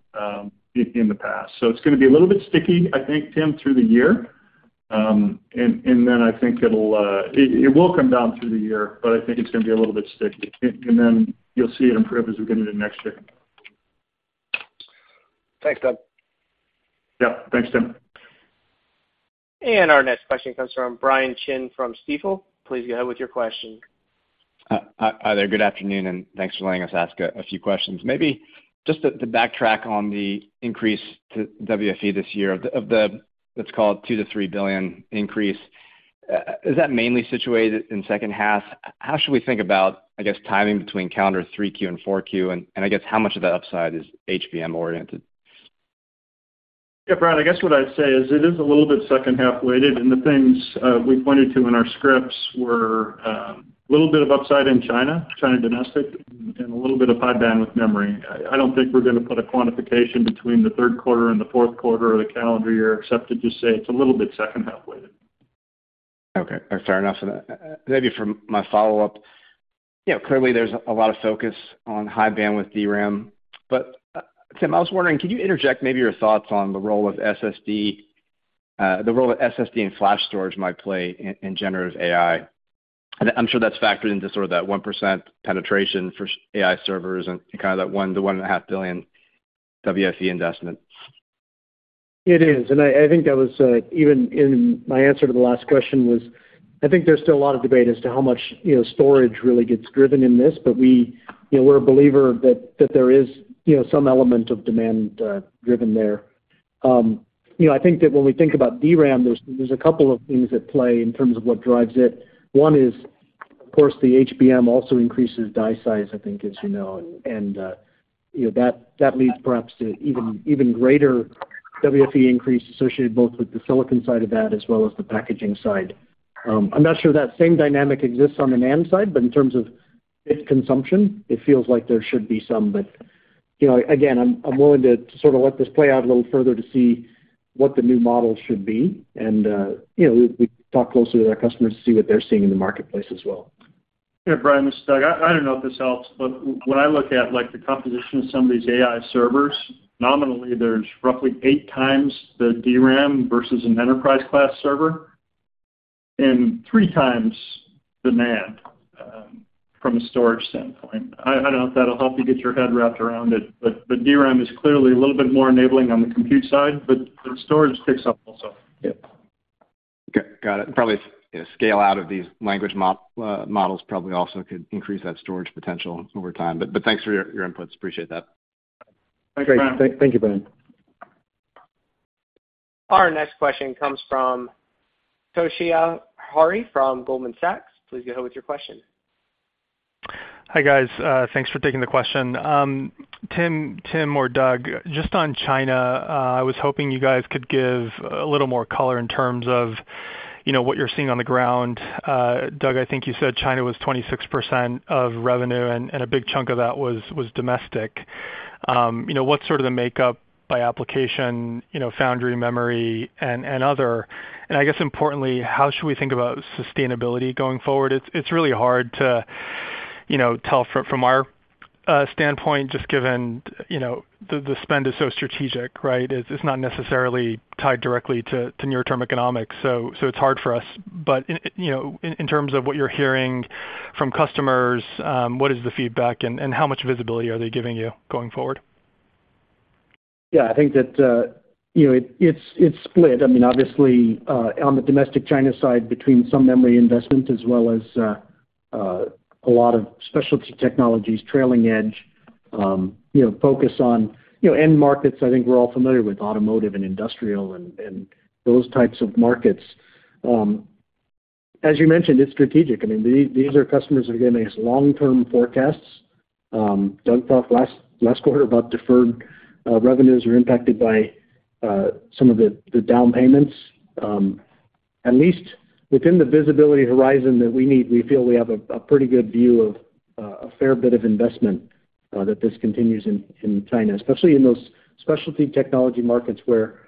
Speaker 4: in the past. It's going to be a little bit sticky, I think, Tim, through the year. I think it'll it will come down through the year, but I think it's going to be a little bit sticky. You'll see it improve as we get into next year.
Speaker 8: Thanks, Doug.
Speaker 4: Yeah, thanks, Tim.
Speaker 1: Our next question comes from Brian Chin from Stifel. Please go ahead with your question.
Speaker 9: Hi there. Good afternoon, and thanks for letting us ask a few questions. Maybe just to backtrack on the increase to WFE this year, of the, let's call it $2 billion-$3 billion increase, is that mainly situated in second half? How should we think about, I guess, timing between calendar 3Q and 4Q, and I guess how much of that upside is HBM-oriented?
Speaker 4: Yeah, Brian, I guess what I'd say is it is a little bit second half-weighted, and the things we pointed to in our scripts were a little bit of upside in China domestic, and a little bit of high bandwidth memory. I don't think we're going to put a quantification between the third quarter and the fourth quarter of the calendar year, except to just say it's a little bit second half-weighted.
Speaker 9: Okay, fair enough. Maybe for my follow-up, you know, clearly there's a lot of focus on high bandwidth DRAM. Tim, I was wondering, could you interject maybe your thoughts on the role of SSD, the role of SSD and flash storage might play in generative AI? I'm sure that's factored into sort of that 1% penetration for AI servers and kind of that $1 billion-$1.5 billion WFE investment.
Speaker 3: It is, and I think that was, even in my answer to the last question was, I think there's still a lot of debate as to how much, you know, storage really gets driven in this, but we, you know, we're a believer that there is, you know, some element of demand, driven there. You know, I think that when we think about DRAM, there's a couple of things at play in terms of what drives it. One is, of course, the HBM also increases die size, I think, as you know, and, you know, that leads perhaps to even greater WFE increase associated both with the silicon side of that as well as the packaging side. I'm not sure that same dynamic exists on the NAND side, but in terms of bit consumption, it feels like there should be some. You know, again, I'm willing to sort of let this play out a little further to see what the new model should be. You know, we talk closely with our customers to see what they're seeing in the marketplace as well.
Speaker 4: Yeah, Brian, this is Doug. I don't know if this helps, but when I look at, like, the composition of some of these AI servers, nominally, there's roughly 8 times the DRAM versus an enterprise-class server and 3 times the NAND from a storage standpoint. I don't know if that'll help you get your head wrapped around it, but DRAM is clearly a little bit more enabling on the compute side, but the storage picks up also.
Speaker 3: Yep.
Speaker 9: Okay, got it. Probably, scale out of these language models probably also could increase that storage potential over time. Thanks for your inputs. Appreciate that.
Speaker 4: Thanks, Brian.
Speaker 3: Thank you, Brian.
Speaker 1: Our next question comes from Toshiya Hari from Goldman Sachs. Please go ahead with your question.
Speaker 10: Hi, guys. Thanks for taking the question. Tim or Doug, just on China, I was hoping you guys could give a little more color in terms of, you know, what you're seeing on the ground. Doug, I think you said China was 26% of revenue, and a big chunk of that was domestic. You know, what's sort of the makeup by application, you know, foundry, memory, and other? I guess importantly, how should we think about sustainability going forward? It's really hard to, you know, tell from our standpoint, just given, you know, the spend is so strategic, right? It's not necessarily tied directly to near-term economics, so it's hard for us. In, you know, in terms of what you're hearing from customers, what is the feedback and how much visibility are they giving you going forward?
Speaker 3: Yeah, I think that, you know, it's split. I mean, obviously, on the domestic China side, between some memory investments as well as a lot of specialty technologies, trailing edge, you know, focus on, you know, end markets. I think we're all familiar with automotive and industrial and those types of markets. As you mentioned, it's strategic. I mean, these are customers that are giving us long-term forecasts. Doug talked last quarter about deferred revenues are impacted by some of the down payments. At least within the visibility horizon that we need, we feel we have a pretty good view of a fair bit of investment that this continues in China, especially in those specialty technology markets where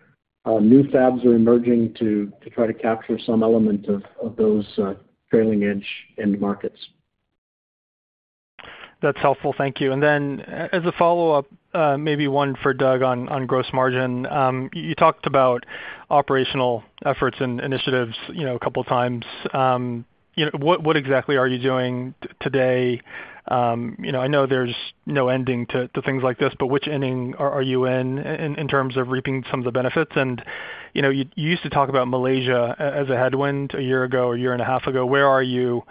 Speaker 3: new fabs are emerging to try to capture some element of those trailing edge end markets.
Speaker 10: That's helpful. Thank you. As a follow-up, maybe one for Doug on gross margin. You talked about operational efforts and initiatives, you know, a couple of times. You know, what exactly are you doing today? You know, I know there's no ending to things like this, but which ending are you in in terms of reaping some of the benefits? You used to talk about Malaysia as a headwind a year ago, a year and a half ago. Where are you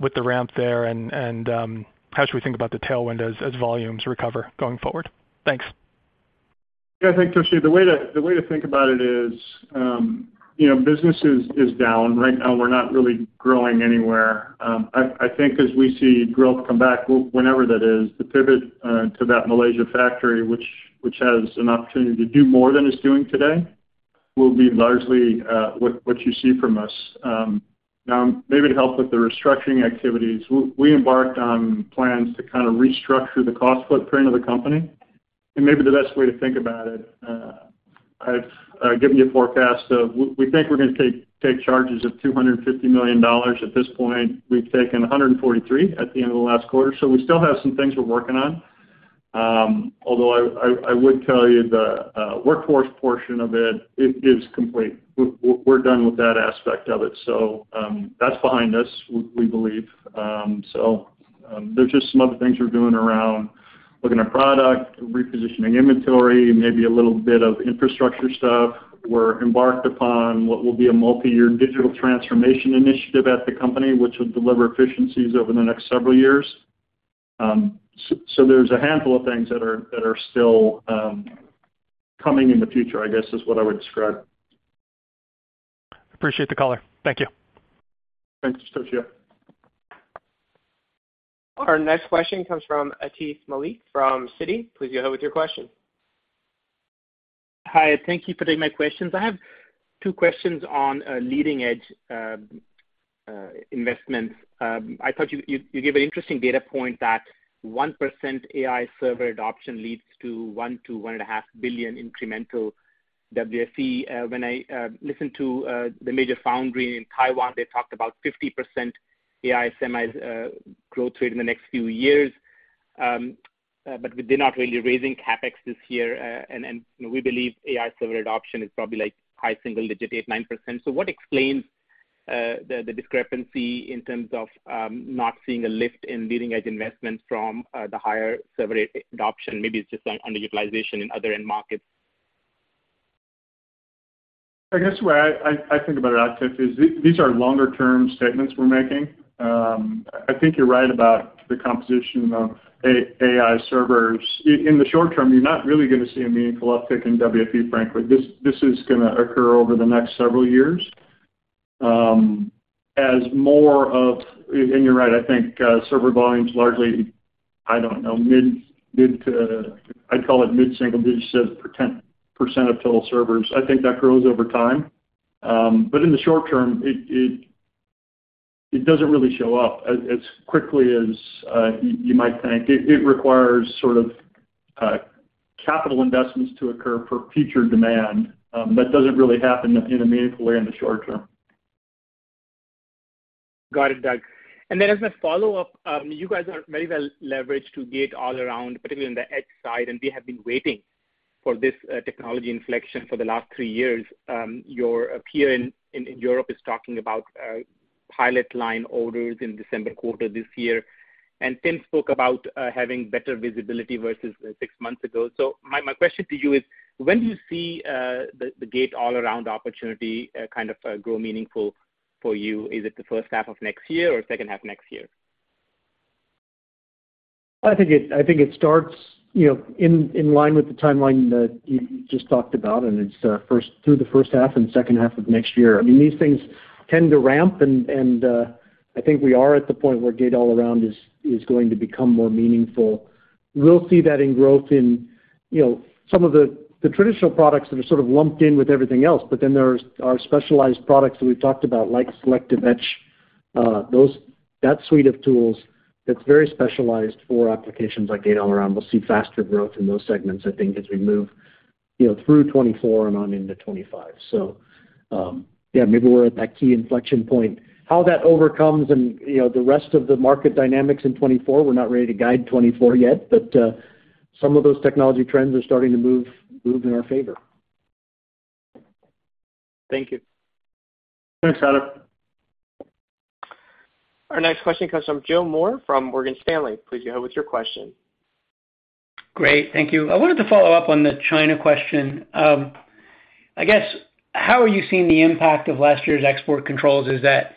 Speaker 10: with the ramp there, and how should we think about the tailwind as volumes recover going forward? Thanks.
Speaker 4: Yeah, I think, Toshiya, the way to think about it is, you know, business is down. Right now, we're not really growing anywhere. I think as we see growth come back, whenever that is, the pivot to that Malaysia factory, which has an opportunity to do more than it's doing today, will be largely what you see from us. Now, maybe to help with the restructuring activities, we embarked on plans to kind of restructure the cost footprint of the company. Maybe the best way to think about it, I've given you a forecast of we think we're gonna take charges of $250 million. At this point, we've taken 143 at the end of the last quarter. We still have some things we're working on. Although I would tell you the workforce portion of it is complete. We're done with that aspect of it. That's behind us, we believe. There's just some other things we're doing around looking at product, repositioning inventory, maybe a little bit of infrastructure stuff. We're embarked upon what will be a multi-year digital transformation initiative at the company, which will deliver efficiencies over the next several years. There's a handful of things that are still coming in the future, I guess, is what I would describe.
Speaker 10: Appreciate the color. Thank you.
Speaker 4: Thanks, Toshiya.
Speaker 1: Our next question comes from Atif Malik from Citi. Please go ahead with your question.
Speaker 11: Hi, thank you for taking my questions. I have two questions on leading-edge investments. I thought you gave an interesting data point that 1% AI server adoption leads to $1 billion-$1.5 billion incremental WFE. When I listened to the major foundry in Taiwan, they talked about 50% AI semis growth rate in the next few years. They're not really raising CapEx this year, and we believe AI server adoption is probably, like, high single digit, 8%, 9%. What explains the discrepancy in terms of not seeing a lift in leading-edge investments from the higher server adoption? Maybe it's just on underutilization in other end markets.
Speaker 4: I guess the way I think about it, Atif, is these are longer-term statements we're making. I think you're right about the composition of AI servers. In the short term, you're not really gonna see a meaningful uptick in WFE, frankly. This is gonna occur over the next several years. as more of... And you're right, I think, server volumes largely. I don't know, mid to, I'd call it mid-single digit, says per 10% of total servers. I think that grows over time. In the short term, it doesn't really show up as quickly as you might think. It requires sort of capital investments to occur for future demand, that doesn't really happen in a meaningful way in the short term.
Speaker 11: Got it, Doug. Then as a follow-up, you guys are very well leveraged to Gate-all-around, particularly on the edge side, and we have been waiting for this technology inflection for the last three years. Your peer in Europe is talking about pilot line orders in December quarter this year, and Tim spoke about having better visibility versus six months ago. My, my question to you is: when do you see the Gate-all-around opportunity, kind of, grow meaningful for you? Is it the first half of next year or second half of next year?
Speaker 3: I think it starts, you know, in line with the timeline that you just talked about, and it's through the first half and second half of next year. I mean, these things tend to ramp, and I think we are at the point where Gate-all-around is going to become more meaningful. We'll see that in growth in, you know, some of the traditional products that are sort of lumped in with everything else, but then there's our specialized products that we've talked about, like Selective Etch. That suite of tools, that's very specialized for applications like Gate-all-around. We'll see faster growth in those segments, I think, as we move, you know, through 2024 and on into 2025. Yeah, maybe we're at that key inflection point. How that overcomes, you know, the rest of the market dynamics in 2024, we're not ready to guide 2024 yet, but some of those technology trends are starting to move in our favor.
Speaker 11: Thank you.
Speaker 4: Thanks, Atif.
Speaker 1: Our next question comes from Joseph Moore from Morgan Stanley. Please go ahead with your question.
Speaker 12: Great, thank you. I wanted to follow up on the China question. I guess, how are you seeing the impact of last year's export controls? Is that,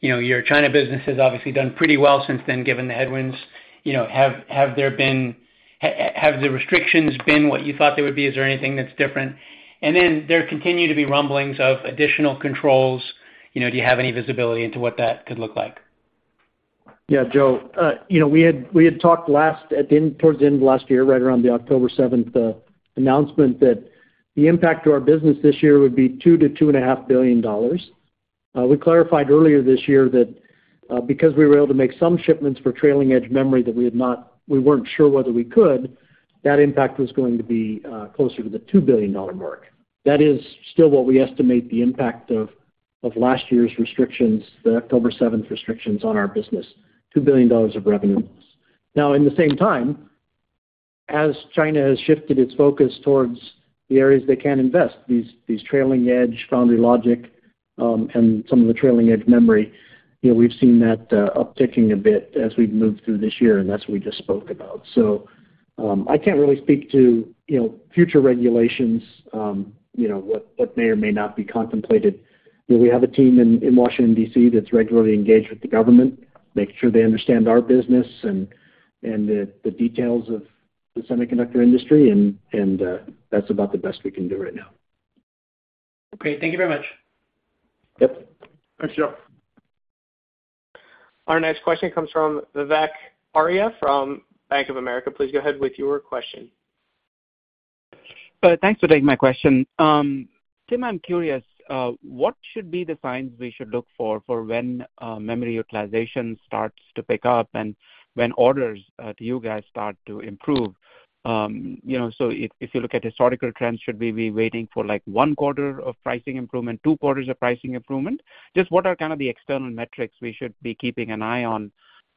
Speaker 12: you know, your China business has obviously done pretty well since then, given the headwinds. You know, have there been the restrictions been what you thought they would be? Is there anything that's different? Then there continue to be rumblings of additional controls. You know, do you have any visibility into what that could look like?
Speaker 3: Yeah, Joe, you know, we had talked towards the end of last year, right around the October 7th announcement, that the impact to our business this year would be $2 billion-$2.5 billion. We clarified earlier this year that, because we were able to make some shipments for trailing edge memory that we weren't sure whether we could, that impact was going to be closer to the $2 billion mark. That is still what we estimate the impact of last year's restrictions, the October 7th restrictions, on our business, $2 billion of revenue. In the same time, as China has shifted its focus towards the areas they can invest, these trailing edge, foundry logic, and some of the trailing edge memory, you know, we've seen that upticking a bit as we've moved through this year, and that's what we just spoke about. I can't really speak to, you know, future regulations, you know, what may or may not be contemplated. We have a team in Washington, D.C., that's regularly engaged with the government, making sure they understand our business and the details of the semiconductor industry, and that's about the best we can do right now.
Speaker 12: Great. Thank you very much.
Speaker 3: Yep.
Speaker 4: Thanks, Joe.
Speaker 1: Our next question comes from Vivek Arya from Bank of America. Please go ahead with your question.
Speaker 13: Thanks for taking my question. Tim, I'm curious, what should be the signs we should look for when memory utilization starts to pick up and when orders to you guys start to improve? You know, so if you look at historical trends, should we be waiting for, like, 1 quarter of pricing improvement, 2 quarters of pricing improvement? Just what are kind of the external metrics we should be keeping an eye on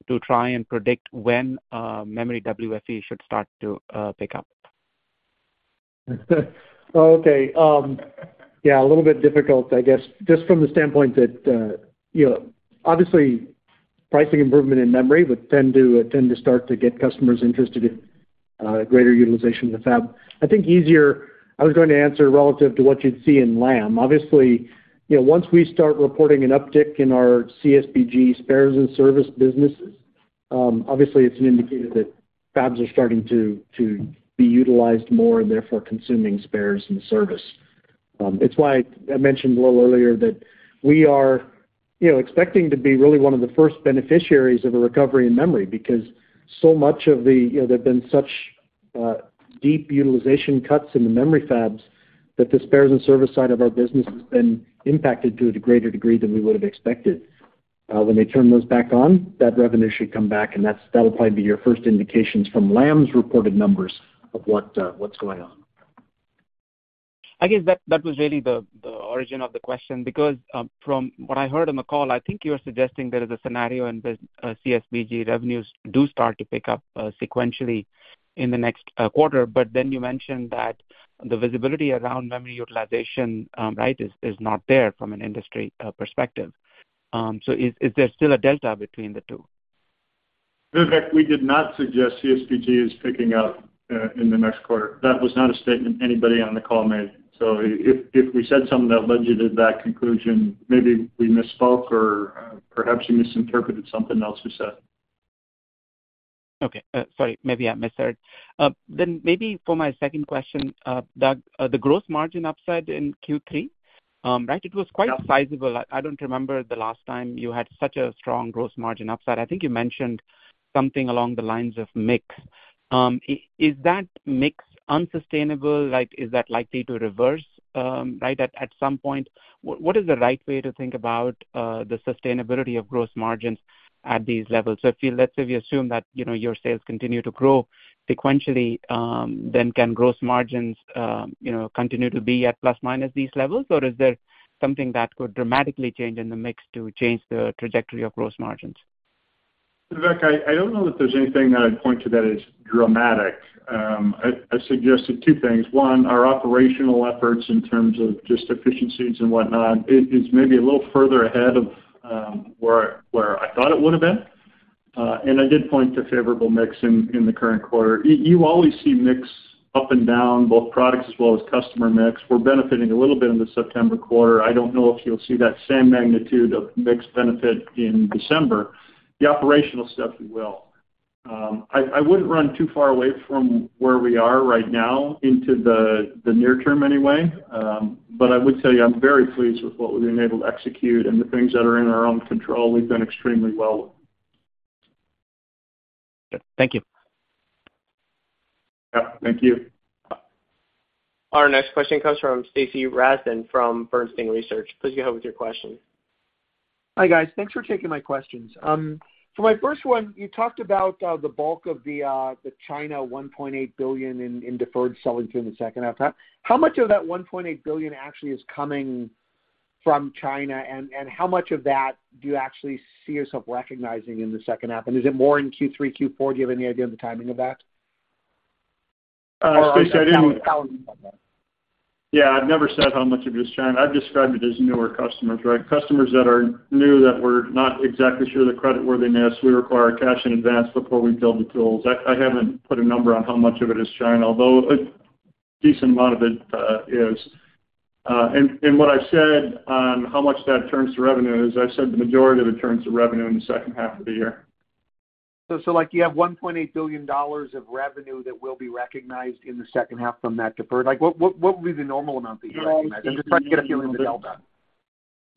Speaker 13: to try and predict when memory WFE should start to pick up?
Speaker 3: Okay, yeah, a little bit difficult, I guess, just from the standpoint that, you know, obviously, pricing improvement in memory would tend to start to get customers interested in greater utilization of the fab. I think I was going to answer relative to what you'd see in Lam. Obviously, you know, once we start reporting an uptick in our CSBG spares and service businesses, obviously it's an indicator that fabs are starting to be utilized more, and therefore consuming spares and service. It's why I mentioned a little earlier that we are, you know, expecting to be really one of the first beneficiaries of a recovery in memory. So much of the You know, there've been such deep utilization cuts in the memory fabs that the spares and service side of our business has been impacted to a greater degree than we would have expected. When they turn those back on, that revenue should come back, and that'll probably be your first indications from Lam's reported numbers of what's going on.
Speaker 13: I guess that was really the origin of the question, because from what I heard on the call, I think you were suggesting there is a scenario in which CSBG revenues do start to pick up sequentially in the next quarter. You mentioned that the visibility around memory utilization, right, is not there from an industry perspective. Is there still a delta between the two?
Speaker 4: Vivek, we did not suggest CSBG is picking up in the next quarter. That was not a statement anybody on the call made. If we said something that led you to that conclusion, maybe we misspoke, or perhaps you misinterpreted something else we said.
Speaker 13: Okay, sorry, maybe I misheard. Maybe for my second question, Doug, the gross margin upside in Q3, right, it was quite sizable. I don't remember the last time you had such a strong gross margin upside. I think you mentioned something along the lines of mix. Is that mix unsustainable? Like, is that likely to reverse, right, at some point? What is the right way to think about the sustainability of gross margins at these levels? If you, let say, if you assume that, you know, your sales continue to grow sequentially, then can gross margins, you know, continue to be at plus minus these levels? Or is there something that could dramatically change in the mix to change the trajectory of gross margins?
Speaker 4: Vivek, I don't know that there's anything that I'd point to that is dramatic. I suggested two things. One, our operational efforts in terms of just efficiencies and whatnot is maybe a little further ahead of where I thought it would have been. I did point to favorable mix in the current quarter. You always see mix up and down, both products as well as customer mix. We're benefiting a little bit in the September quarter. I don't know if you'll see that same magnitude of mix benefit in December. The operational stuff, you will. I wouldn't run too far away from where we are right now into the near term anyway. I would tell you, I'm very pleased with what we've been able to execute and the things that are in our own control, we've done extremely well with.
Speaker 13: Thank you.
Speaker 4: Yeah, thank you.
Speaker 1: Our next question comes from Stacy Rasgon from Bernstein Research. Please go ahead with your question.
Speaker 14: Hi, guys. Thanks for taking my questions. For my first one, you talked about, the bulk of the China $1.8 billion in deferred selling through in the second half. How much of that $1.8 billion actually is coming from China, and how much of that do you actually see yourself recognizing in the second half? Is it more in Q3, Q4? Do you have any idea of the timing of that?
Speaker 4: Stacy, I've never said how much of it is China. I've described it as newer customers, right? Customers that are new, that we're not exactly sure of the creditworthiness. We require cash in advance before we build the tools. I haven't put a number on how much of it is China, although a decent amount of it is. What I've said on how much that turns to revenue is I've said the majority of it turns to revenue in the second half of the year.
Speaker 14: So like you have $1.8 billion of revenue that will be recognized in the second half from that deferred? Like, what would be the normal amount that you recognize? I'm just trying to get a feeling of the delta.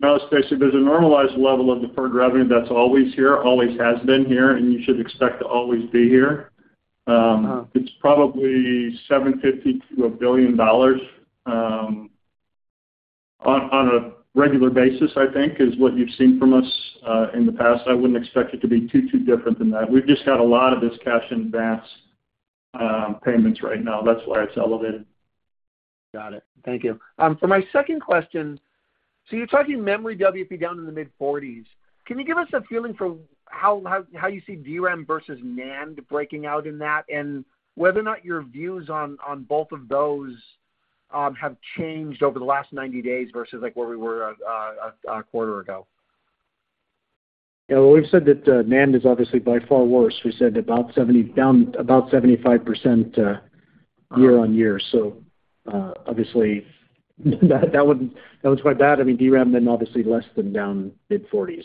Speaker 4: No, Stacy, there's a normalized level of deferred revenue that's always here, always has been here, and you should expect to always be here.
Speaker 14: Uh-huh.
Speaker 4: it's probably $750 million to $1 billion on a regular basis, I think, is what you've seen from us in the past. I wouldn't expect it to be too different than that. We've just got a lot of this cash in advance payments right now. That's why it's elevated.
Speaker 14: Got it. Thank you. For my second question: You're talking memory WFE down in the mid-40s. Can you give us a feeling for how you see DRAM versus NAND breaking out in that, and whether or not your views on both of those have changed over the last 90 days versus, like, where we were a quarter ago?
Speaker 3: Well, we've said that NAND is obviously by far worse. We said about 70, down about 75% year-on-year. Obviously, that one, that one's quite bad. I mean, DRAM then obviously less than down mid-40s.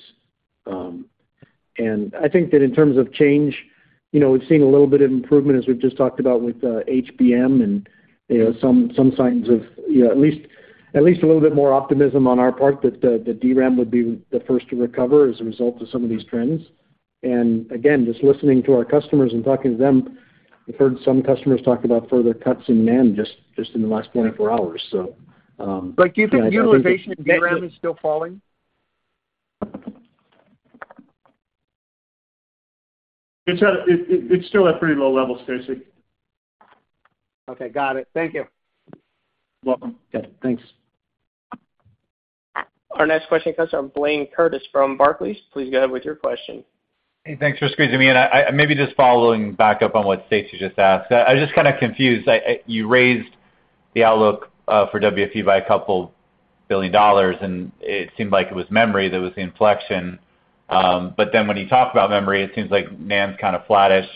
Speaker 3: I think that in terms of change, you know, we've seen a little bit of improvement, as we've just talked about with HBM and, you know, some signs of, you know, at least a little bit more optimism on our part that the DRAM would be the first to recover as a result of some of these trends. Again, just listening to our customers and talking to them, we've heard some customers talk about further cuts in NAND just in the last 24 hours.
Speaker 14: Like, do you think utilization in DRAM is still falling?
Speaker 4: It's still at pretty low levels, Stacy.
Speaker 14: Okay, got it. Thank you.
Speaker 3: Welcome. Yeah, thanks.
Speaker 1: Our next question comes from Blayne Curtis from Barclays. Please go ahead with your question. Hey, thanks for squeezing me in. I, maybe just following back up on what Stacy just asked. I'm just kind of confused. You raised the outlook for WFE by a couple billion dollars, and it seemed like it was memory that was the inflection. When you talk about memory, it seems like NAND's kind of flattish,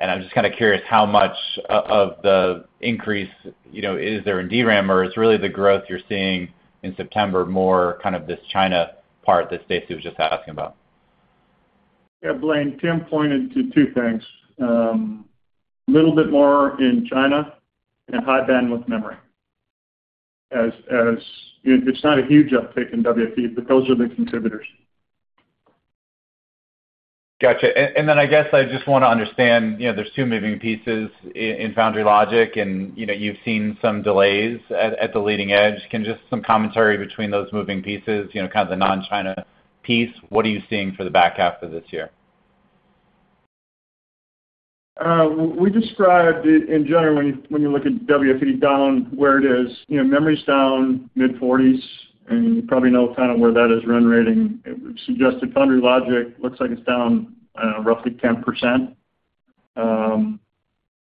Speaker 1: and I'm just kind of curious how much of the increase, you know, is there in DRAM, or is really the growth you're seeing in September more kind of this China part that Stacy was just asking about?
Speaker 4: Yeah, Blayne, Tim Archer pointed to two things, a little bit more in China and high bandwidth memory. As it's not a huge uptick in WFE, but those are the contributors. Gotcha. Then I guess I just want to understand, you know, there's two moving pieces in Foundry logic, and, you know, you've seen some delays at the leading edge. Can just some commentary between those moving pieces, you know, kind of the non-China piece, what are you seeing for the back half of this year?
Speaker 15: We described in general, when you, when you look at WFE down where it is, you know, memory's down mid-40s, and you probably know kind of where that is run rating. It suggested Foundry logic looks like it's down, roughly 10%.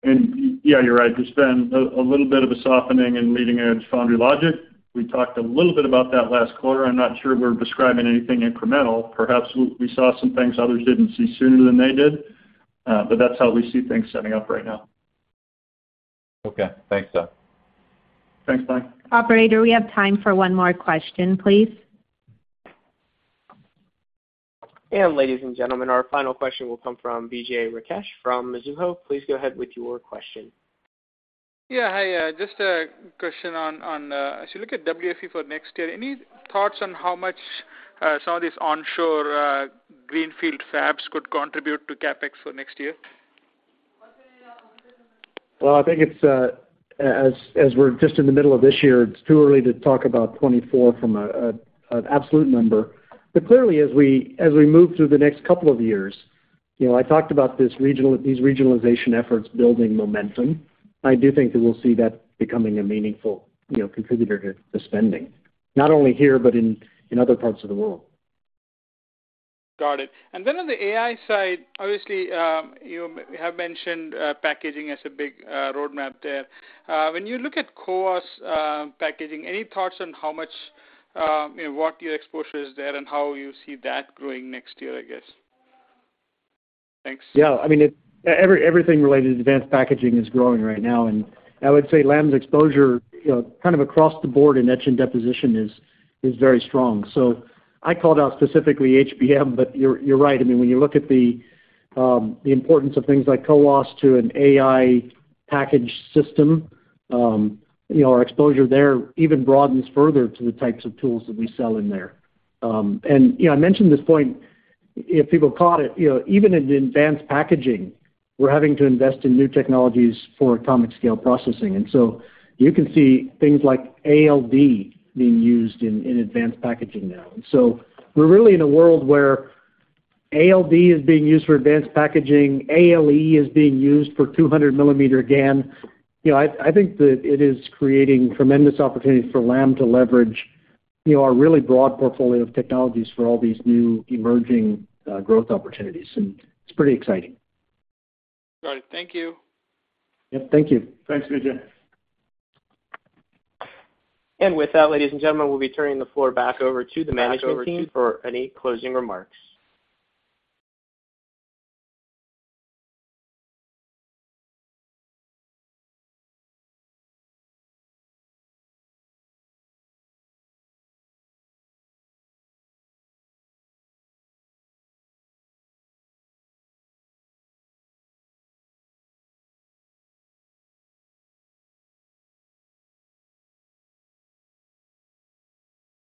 Speaker 15: And yeah, you're right. There's been a little bit of a softening in leading-edge Foundry logic. We talked a little bit about that last quarter. I'm not sure we're describing anything incremental. Perhaps we saw some things others didn't see sooner than they did, but that's how we see things setting up right now. Okay. Thanks, Doug.
Speaker 4: Thanks, Blayne.
Speaker 13: Operator, we have time for one more question, please.
Speaker 1: ladies and gentlemen, our final question will come from Vijay Rakesh from Mizuho. Please go ahead with your question. Hi, just a question on as you look at WFE for next year, any thoughts on how much some of these onshore greenfield fabs could contribute to CapEx for next year?
Speaker 3: Well, I think it's, as we're just in the middle of this year, it's too early to talk about 2024 from a, an absolute number. Clearly, as we move through the next couple of years, you know, I talked about these regionalization efforts building momentum. I do think that we'll see that becoming a meaningful, you know, contributor to spending, not only here, but in other parts of the world. Got it. Then on the AI side, obviously, you have mentioned packaging as a big roadmap there. When you look at CoWoS packaging, any thoughts on how much, you know, what your exposure is there and how you see that growing next year, I guess? Thanks. Yeah, I mean, everything related to advanced packaging is growing right now. I would say Lam's exposure, you know, kind of across the board in etch and deposition is very strong. I called out specifically HBM, but you're right. I mean, when you look at the importance of things like CoWoS to an AI package system, you know, our exposure there even broadens further to the types of tools that we sell in there. You know, I mentioned this point, if people caught it, you know, even in advanced packaging, we're having to invest in new technologies for atomic scale processing. You can see things like ALD being used in advanced packaging now. We're really in a world where ALD is being used for advanced packaging, ALE is being used for 200 millimeter GaN. You know, I think that it is creating tremendous opportunities for Lam to leverage, you know, our really broad portfolio of technologies for all these new emerging, growth opportunities, and it's pretty exciting. Got it. Thank you. Yep, thank you.
Speaker 7: Thanks, Vijay.
Speaker 1: With that, ladies and gentlemen, we'll be turning the floor back over to the management team for any closing remarks.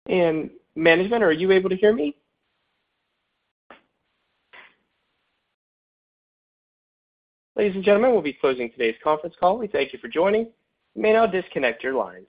Speaker 1: Management, are you able to hear me? Ladies and gentlemen, we'll be closing today's conference call. We thank you for joining. You may now disconnect your lines.